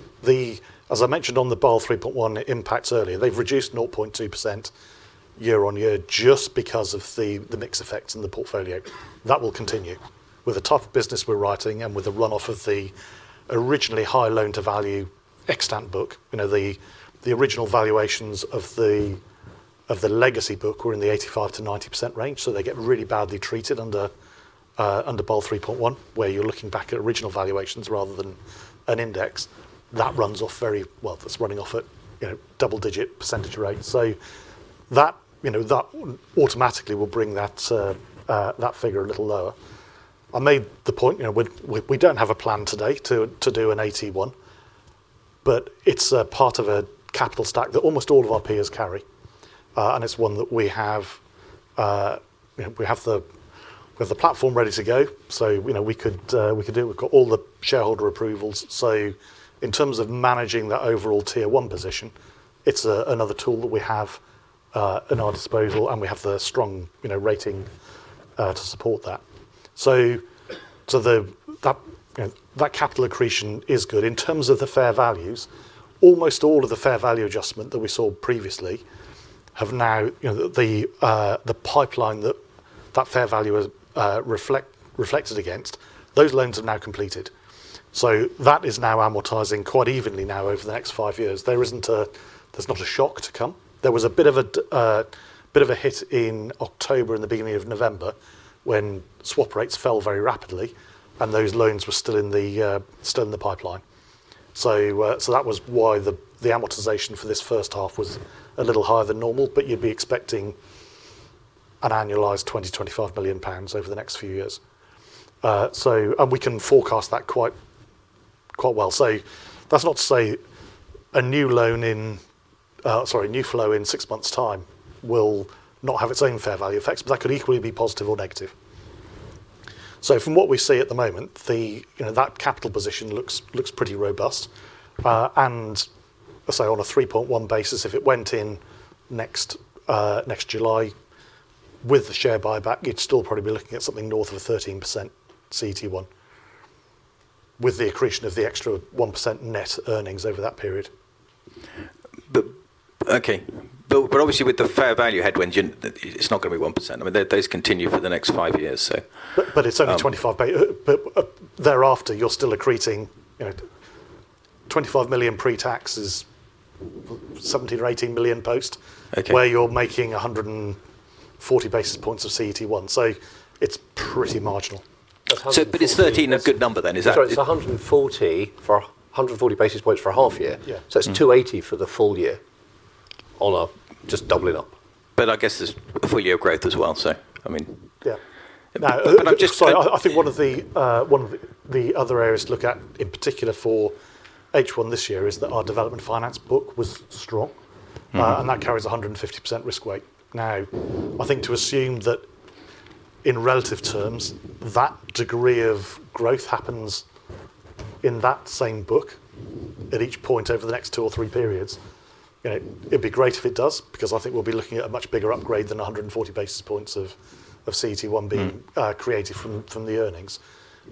As I mentioned on the Basel 3.1 impacts earlier, they've reduced 0.2% year-on-year just because of the mix effects in the portfolio. That will continue. With the type of business we're writing and with the run off of the originally high loan to value extant book, you know, the original valuations of the legacy book were in the 85%-90% range, so they get really badly treated under Basel 3.1, where you're looking back at original valuations rather than an index. That runs off very... Well, that's running off at, you know, double-digit percentage rates. So that, you know, that automatically will bring that, that figure a little lower. I made the point, you know, we don't have a plan today to do an AT1, but it's part of a capital stack that almost all of our peers carry, and it's one that we have the platform ready to go, so, you know, we could do it. We've got all the shareholder approvals. So in terms of managing the overall Tier 1 position, it's another tool that we have in our disposal, and we have the strong, you know, rating to support that. So, that, you know, that capital accretion is good. In terms of the fair values, almost all of the fair value adjustment that we saw previously have now, you know, the pipeline that fair value is reflected against, those loans are now completed. So that is now amortizing quite evenly now over the next five years. There isn't a shock to come. There was a bit of a hit in October, in the beginning of November, when swap rates fell very rapidly, and those loans were still in the pipeline. So that was why the amortization for this first half was a little higher than normal, but you'd be expecting an annualized 20 million-25 million pounds over the next few years. And we can forecast that quite well. So that's not to say a new loan in, sorry, new flow in six months' time will not have its own fair value effects, but that could equally be positive or negative. So from what we see at the moment, the, you know, that capital position looks pretty robust. And, let's say, on a 3.1 basis, if it went in next July with the share buyback, you'd still probably be looking at something north of a 13% CET1, with the accretion of the extra 1% net earnings over that period. Okay, but obviously, with the fair value headwinds, you, it's not going to be 1%. I mean, those continue for the next five years, so- But it's only 25, thereafter, you're still accreting, you know, 25 million pre-tax is 70 million or 80 million post- Okay. -where you're making 140 basis points of CET1, so it's pretty marginal. 140- But it's 13, a good number then, is that? Sorry, it's 140. 140 basis points for a half year. Yeah. It's 280 for the full-year. All up, just doubling up?... But I guess there's full-year growth as well, so, I mean- Yeah. And I just- I think one of the other areas to look at, in particular for H1 this year, is that our development finance book was strong. Mm-hmm. And that carries a 150% risk weight. Now, I think to assume that in relative terms, that degree of growth happens in that same book at each point over the next two or three periods, you know, it'd be great if it does, because I think we'll be looking at a much bigger upgrade than 140 basis points of CET1 being- Mm... created from the earnings.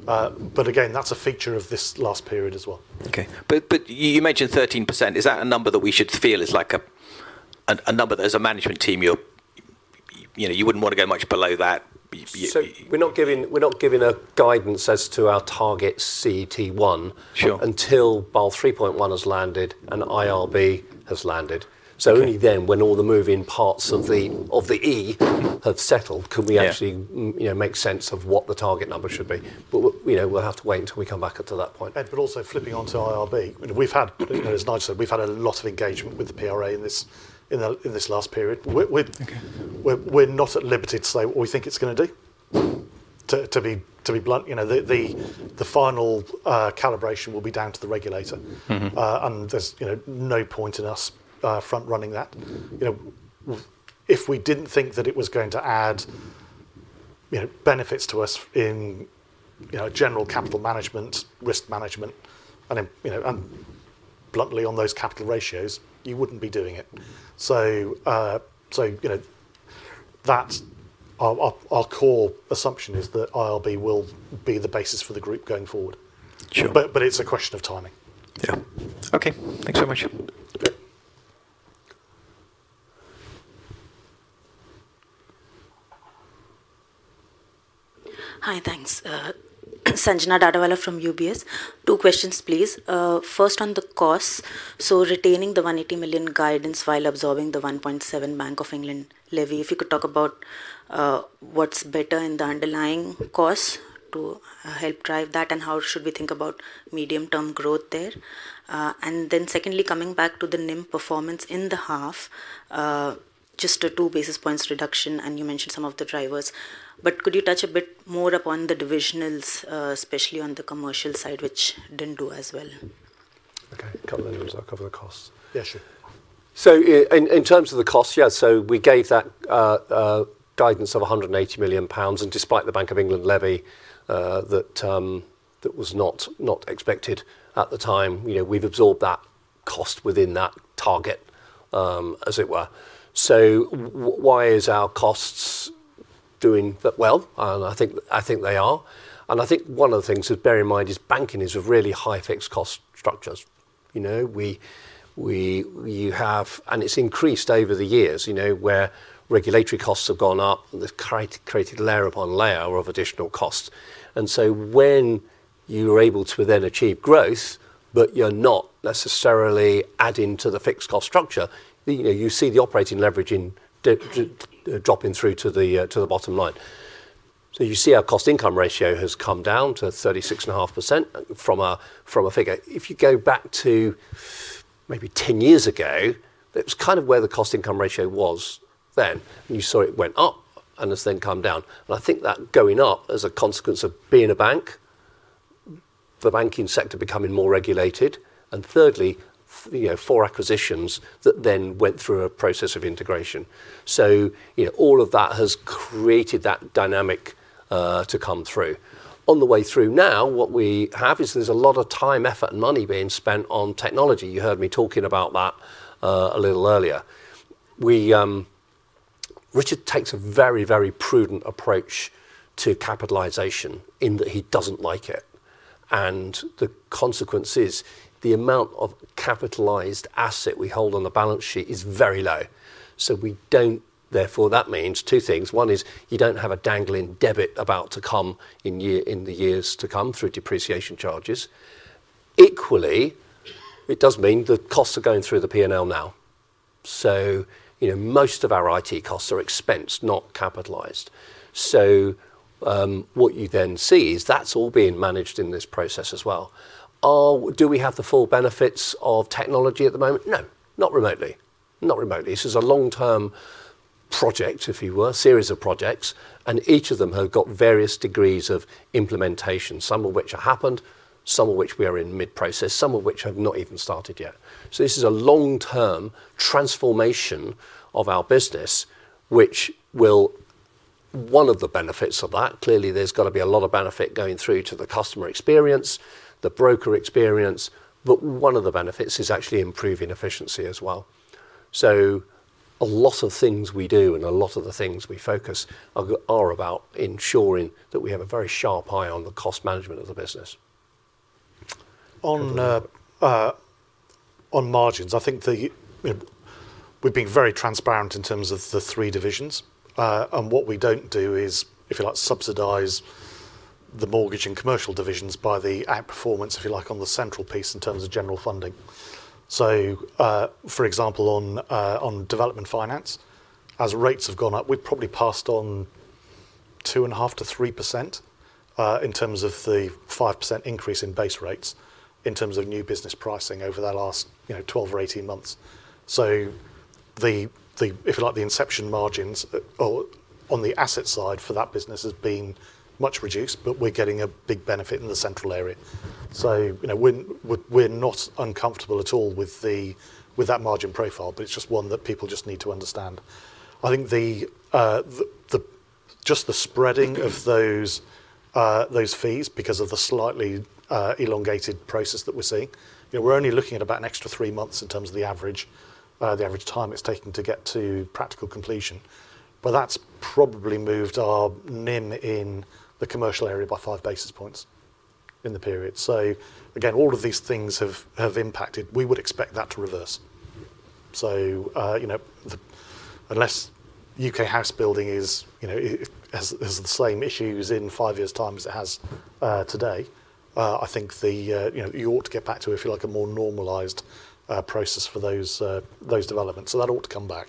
But again, that's a feature of this last period as well. Okay. But you mentioned 13%. Is that a number that we should feel is like a number that as a management team, you're, you know, you wouldn't want to go much below that? You, you- We're not giving a guidance as to our target CET1- Sure... until Basel 3.1 has landed and IRB has landed. Okay. Only then, when all the moving parts of the E have settled, can we actually- Yeah... you know, make sense of what the target number should be. But we, you know, we'll have to wait until we come back up to that point. But also flipping onto IRB, you know, as Nigel said, we've had a lot of engagement with the PRA in this last period. We're Okay... we're not at liberty to say what we think it's gonna do, to be blunt. You know, the final calibration will be down to the regulator. Mm-hmm. There's, you know, no point in us front-running that. You know, if we didn't think that it was going to add, you know, benefits to us in, you know, general capital management, risk management, and you know, bluntly, on those capital ratios, you wouldn't be doing it. So, you know, that's our core assumption is that IRB will be the basis for the group going forward. Sure. But it's a question of timing. Yeah. Okay, thanks so much. Yeah. Hi, thanks. Sanjana Dadawala from UBS. Two questions, please. First on the costs. So retaining the 180 million guidance while absorbing the 1.7 million Bank of England levy, if you could talk about, what's better in the underlying costs to help drive that, and how should we think about medium-term growth there? And then secondly, coming back to the NIM performance in the half, just a 2 basis points reduction, and you mentioned some of the drivers. But could you touch a bit more upon the divisionals, especially on the commercial side, which didn't do as well? Okay, I'll cover the costs. Yeah, sure. So in terms of the costs, yeah, so we gave that guidance of 180 million pounds, and despite the Bank of England levy, that was not expected at the time, you know, we've absorbed that cost within that target, as it were. So why is our costs doing well? And I think they are. And I think one of the things to bear in mind is banking is a really high fixed cost structures. You know, and it's increased over the years, you know, where regulatory costs have gone up, and they've created layer upon layer of additional costs. And so when you are able to then achieve growth, but you're not necessarily adding to the fixed cost structure, you know, you see the operating leverage in dropping through to the to the bottom line. So you see our cost income ratio has come down to 36.5% from a figure. If you go back to maybe 10 years ago, it was kind of where the cost income ratio was then, and you saw it went up and has then come down. And I think that going up as a consequence of being a bank, the banking sector becoming more regulated, and thirdly, you know, 4 acquisitions that then went through a process of integration. So, you know, all of that has created that dynamic to come through. On the way through now, what we have is there's a lot of time, effort, and money being spent on technology. You heard me talking about that, a little earlier. We, Richard takes a very, very prudent approach to capitalization in that he doesn't like it, and the consequence is the amount of capitalized asset we hold on the balance sheet is very low. So we don't, therefore, that means two things. One is you don't have a dangling debit about to come in year, in the years to come through depreciation charges. Equally, it does mean the costs are going through the P&L now. So, you know, most of our IT costs are expensed, not capitalized. So, what you then see is that's all being managed in this process as well. Do we have the full benefits of technology at the moment? No, not remotely. Not remotely. This is a long-term project, if you will, series of projects, and each of them have got various degrees of implementation, some of which have happened, some of which we are in mid-process, some of which have not even started yet. So this is a long-term transformation of our business, which will... One of the benefits of that, clearly, there's got to be a lot of benefit going through to the customer experience, the broker experience, but one of the benefits is actually improving efficiency as well. So a lot of things we do and a lot of the things we focus are, are about ensuring that we have a very sharp eye on the cost management of the business. On the margins, I think we've been very transparent in terms of the three divisions, and what we don't do is, if you like, subsidize the mortgage and commercial divisions by the outperformance, if you like, on the central piece in terms of general funding. So, for example, on Development Finance, as rates have gone up, we've probably passed on-... 2.5%-3%, in terms of the 5% increase in Base Rate, in terms of new business pricing over that last, you know, 12 or 18 months. So the, the, if you like, the inception margins, or on the asset side for that business has been much reduced, but we're getting a big benefit in the central area. So, you know, we're, we're, we're not uncomfortable at all with the, with that margin profile, but it's just one that people just need to understand. I think the, the, the just the spreading of those, those fees because of the slightly, elongated process that we're seeing, you know, we're only looking at about an extra three months in terms of the average, the average time it's taking to get to practical completion. But that's probably moved our NIM in the commercial area by five basis points in the period. So again, all of these things have impacted. We would expect that to reverse. So, you know, unless U.K. house building is, you know, it has the same issues in five years' time as it has today, I think the, you know, you ought to get back to, if you like, a more normalized process for those developments. So that ought to come back.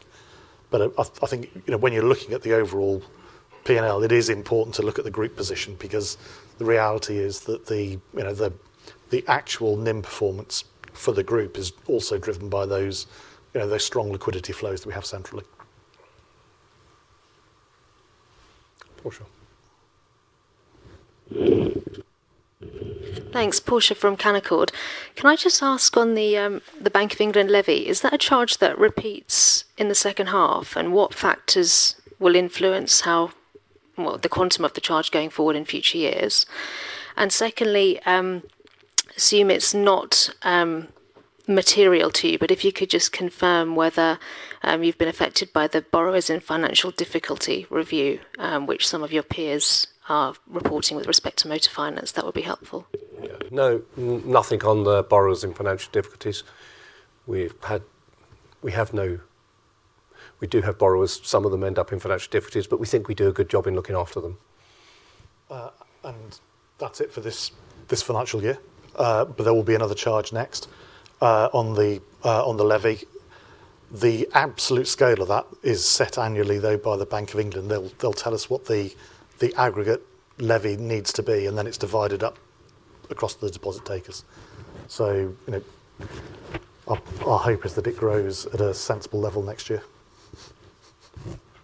But, I think, you know, when you're looking at the overall PNL, it is important to look at the group position, because the reality is that the, you know, the actual NIM performance for the group is also driven by those, you know, those strong liquidity flows that we have centrally. Portia. Thanks. Portia from Canaccord. Can I just ask on the Bank of England levy, is that a charge that repeats in the second half, and what factors will influence how... well, the quantum of the charge going forward in future years? And secondly, assume it's not material to you, but if you could just confirm whether you've been affected by the borrowers in financial difficulty review, which some of your peers are reporting with respect to Motor Finance, that would be helpful. Yeah. No, nothing on the borrowers in financial difficulties. We do have borrowers, some of them end up in financial difficulties, but we think we do a good job in looking after them. And that's it for this financial year. But there will be another charge next, on the levy. The absolute scale of that is set annually, though, by the Bank of England. They'll tell us what the aggregate levy needs to be, and then it's divided up across the deposit takers. So, you know, our hope is that it grows at a sensible level next year,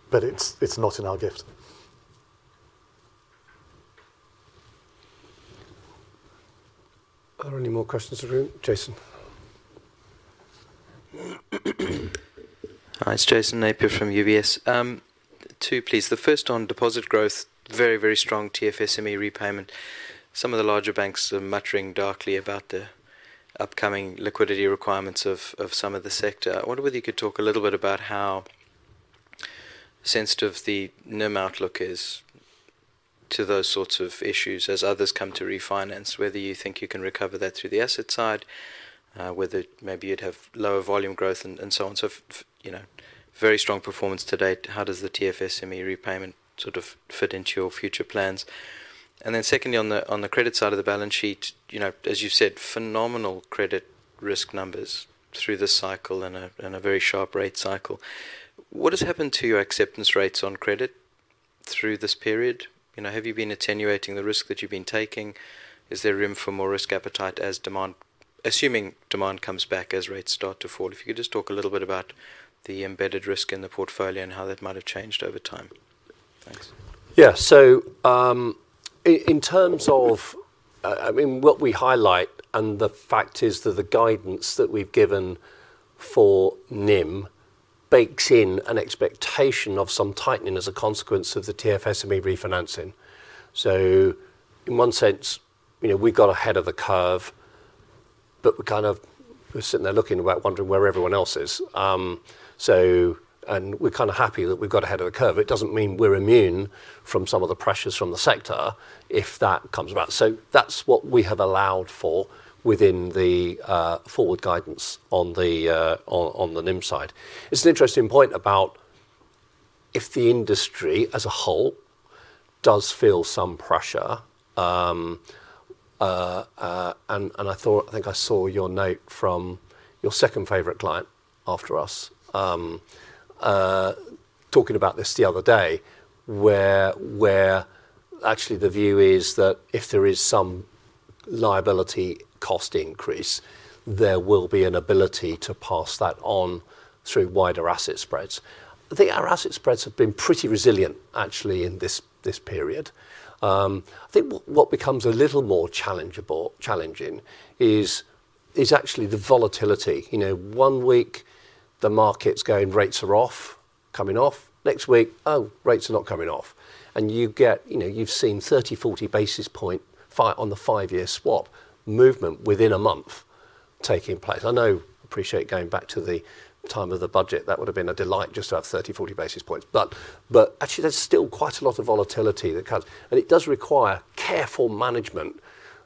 but it's not in our gift. Are there any more questions in the room? Jason. Hi, it's Jason Napier from UBS. Two, please. The first on deposit growth, very, very strong TFS-ME repayment. Some of the larger banks are muttering darkly about the upcoming liquidity requirements of some of the sector. I wonder whether you could talk a little bit about how sensitive the NIM outlook is to those sorts of issues as others come to refinance, whether you think you can recover that through the asset side, whether maybe you'd have lower volume growth and so on. So, you know, very strong performance to date. How does the TFS-ME repayment sort of fit into your future plans? And then secondly, on the credit side of the balance sheet, you know, as you've said, phenomenal credit risk numbers through this cycle and a very sharp rate cycle. What has happened to your acceptance rates on credit through this period? You know, have you been attenuating the risk that you've been taking? Is there room for more risk appetite as demand, assuming demand comes back as rates start to fall? If you could just talk a little bit about the embedded risk in the portfolio and how that might have changed over time. Thanks. Yeah. So, in terms of, I mean, what we highlight and the fact is that the guidance that we've given for NIM bakes in an expectation of some tightening as a consequence of the TFSME refinancing. So in one sense, you know, we got ahead of the curve, but we're kind of sitting there looking about, wondering where everyone else is. We're kind of happy that we've got ahead of the curve. It doesn't mean we're immune from some of the pressures from the sector if that comes about. So that's what we have allowed for within the forward guidance on the NIM side. It's an interesting point about if the industry as a whole does feel some pressure, and I thought... I think I saw your note from your second favorite client after us, talking about this the other day, where actually the view is that if there is some liability cost increase, there will be an ability to pass that on through wider asset spreads. I think our asset spreads have been pretty resilient, actually, in this period. I think what becomes a little more challengeable, challenging is actually the volatility. You know, one week, the market's going, rates are off, coming off. Next week, oh, rates are not coming off. And you get, you know, you've seen 30, 40 basis points on the five-year swap movement within a month taking place. I know, appreciate going back to the time of the budget, that would have been a delight just to have 30, 40 basis points. But, but actually, there's still quite a lot of volatility that comes, and it does require careful management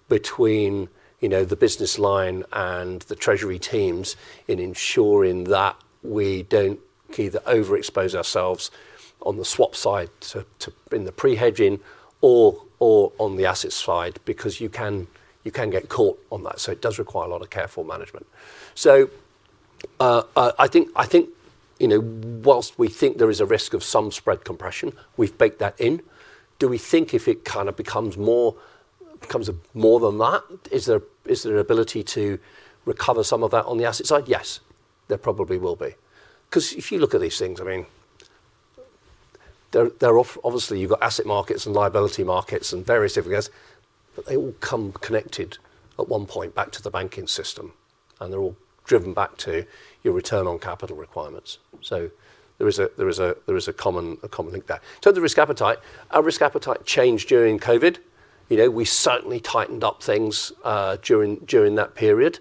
between, you know, the business line and the treasury teams in ensuring that we don't either overexpose ourselves on the swap side to, to, in the pre-hedging or, or on the asset side, because you can, you can get caught on that. So it does require a lot of careful management. I think, I think, you know, whilst we think there is a risk of some spread compression, we've baked that in. Do we think if it kind of becomes more, becomes more than that, is there, is there an ability to recover some of that on the asset side? Yes, there probably will be. 'Cause if you look at these things, I mean, they're obviously you've got asset markets and liability markets and various different guys, but they all come connected at one point back to the banking system, and they're all driven back to your return on capital requirements. So there is a common link there. In terms of risk appetite, our risk appetite changed during COVID. You know, we certainly tightened up things during that period,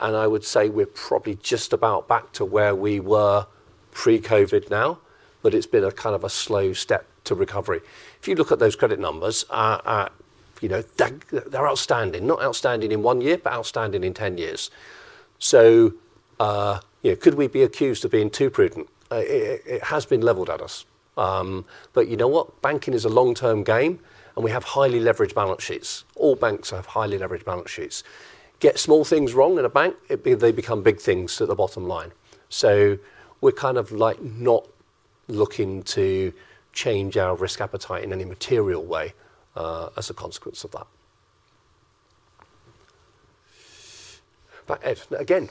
and I would say we're probably just about back to where we were pre-COVID now, but it's been a kind of a slow step to recovery. If you look at those credit numbers, you know, they, they're outstanding. Not outstanding in one year, but outstanding in 10 years. So, you know, could we be accused of being too prudent? It has been leveled at us. But you know what? Banking is a long-term game, and we have highly leveraged balance sheets. All banks have highly leveraged balance sheets. Get small things wrong in a bank, they become big things to the bottom line. So we're kind of like not looking to change our risk appetite in any material way, as a consequence of that. But, Ed, again.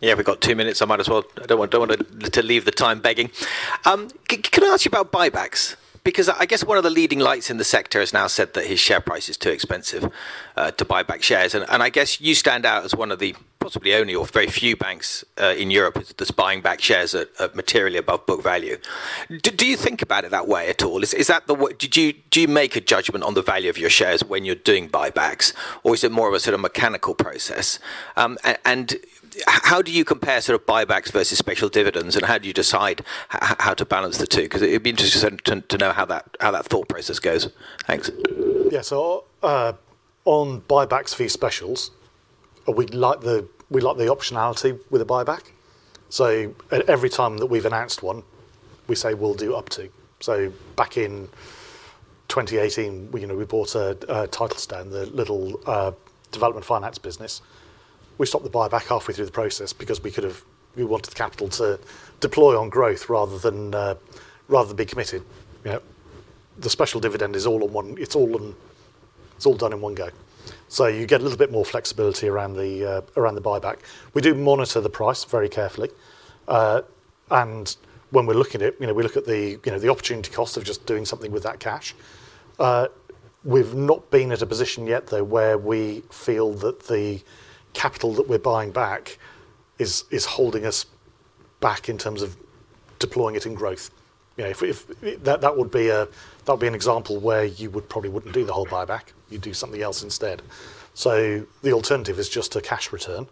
Yeah, we've got two minutes. I might as well... I don't want, don't want to, to leave the time begging. Can I ask you about buybacks? Because I guess one of the leading lights in the sector has now said that his share price is too expensive to buy back shares. And I guess you stand out as one of the possibly only or very few banks in Europe that's buying back shares at materially above book value. Do you think about it that way at all? Is that the way? Do you make a judgment on the value of your shares when you're doing buybacks, or is it more of a sort of mechanical process? And how do you compare sort of buybacks versus special dividends, and how do you decide how to balance the two? Because it'd be interesting to know how that thought process goes. Thanks. Yeah. So, on buybacks vs. specials, we like the, we like the optionality with a buyback. So every time that we've announced one, we say we'll do up to. So back in 2018, you know, we bought a standalone, the little Development Finance business. We stopped the buyback halfway through the process because we could have... We wanted the capital to deploy on growth rather than rather than be committed. You know, the special dividend is all on one... It's all on, it's all done in one go. So you get a little bit more flexibility around the around the buyback. We do monitor the price very carefully. And when we're looking at it, you know, we look at the, you know, the opportunity cost of just doing something with that cash. We've not been at a position yet, though, where we feel that the capital that we're buying back is holding us back in terms of deploying it in growth. You know, that would be an example where you would probably wouldn't do the whole buyback. You'd do something else instead. So the alternative is just a cash return,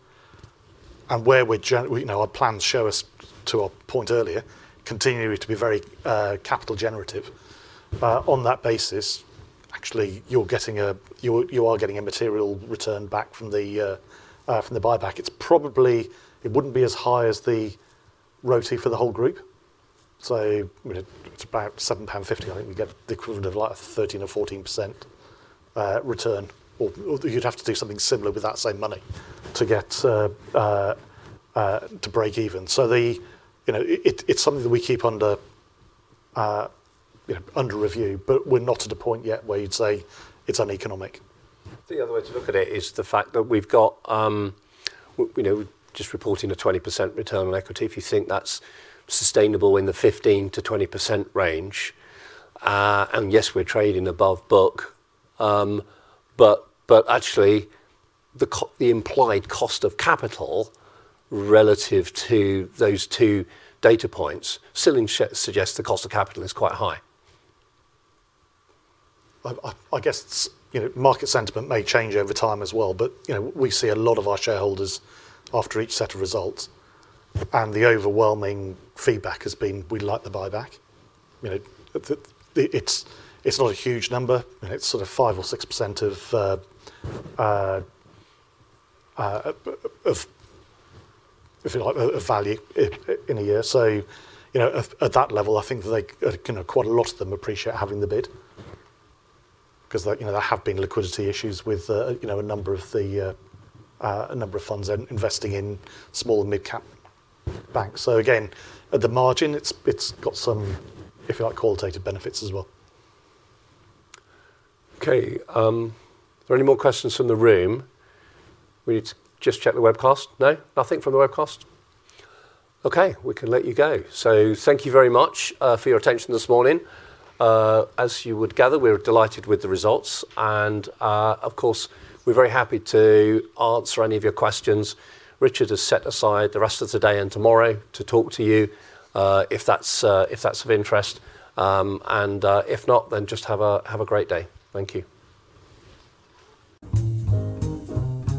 and where we're, you know, our plans show us, to our point earlier, continuing to be very capital generative. On that basis, actually, you are getting a material return back from the buyback. It's probably. It wouldn't be as high as the ROTE for the whole group. So it's about 7.50 pound. I think we get the equivalent of, like, 13 or 14% return, or you'd have to do something similar with that same money to get to break even. So, you know, it's something that we keep under, you know, under review, but we're not at a point yet where you'd say it's uneconomic. I think the other way to look at it is the fact that we've got, you know, just reporting a 20% return on equity. If you think that's sustainable in the 15%-20% range, and yes, we're trading above book, but, but actually, the implied cost of capital relative to those two data points still in suggests the cost of capital is quite high. I guess, you know, market sentiment may change over time as well, but, you know, we see a lot of our shareholders after each set of results, and the overwhelming feedback has been, we like the buyback. You know, it's not a huge number, and it's sort of 5% or 6% of, if you like, a value in a year. So, you know, at that level, I think that kind of quite a lot of them appreciate having the bid because, like, you know, there have been liquidity issues with, you know, a number of funds investing in small and mid-cap banks. So again, at the margin, it's got some, if you like, qualitative benefits as well. Okay, are there any more questions from the room? We need to just check the webcast. No? Nothing from the webcast. Okay, we can let you go. So thank you very much for your attention this morning. As you would gather, we're delighted with the results, and, of course, we're very happy to answer any of your questions. Richard has set aside the rest of the day and tomorrow to talk to you, if that's, if that's of interest. And, if not, then just have a, have a great day. Thank you.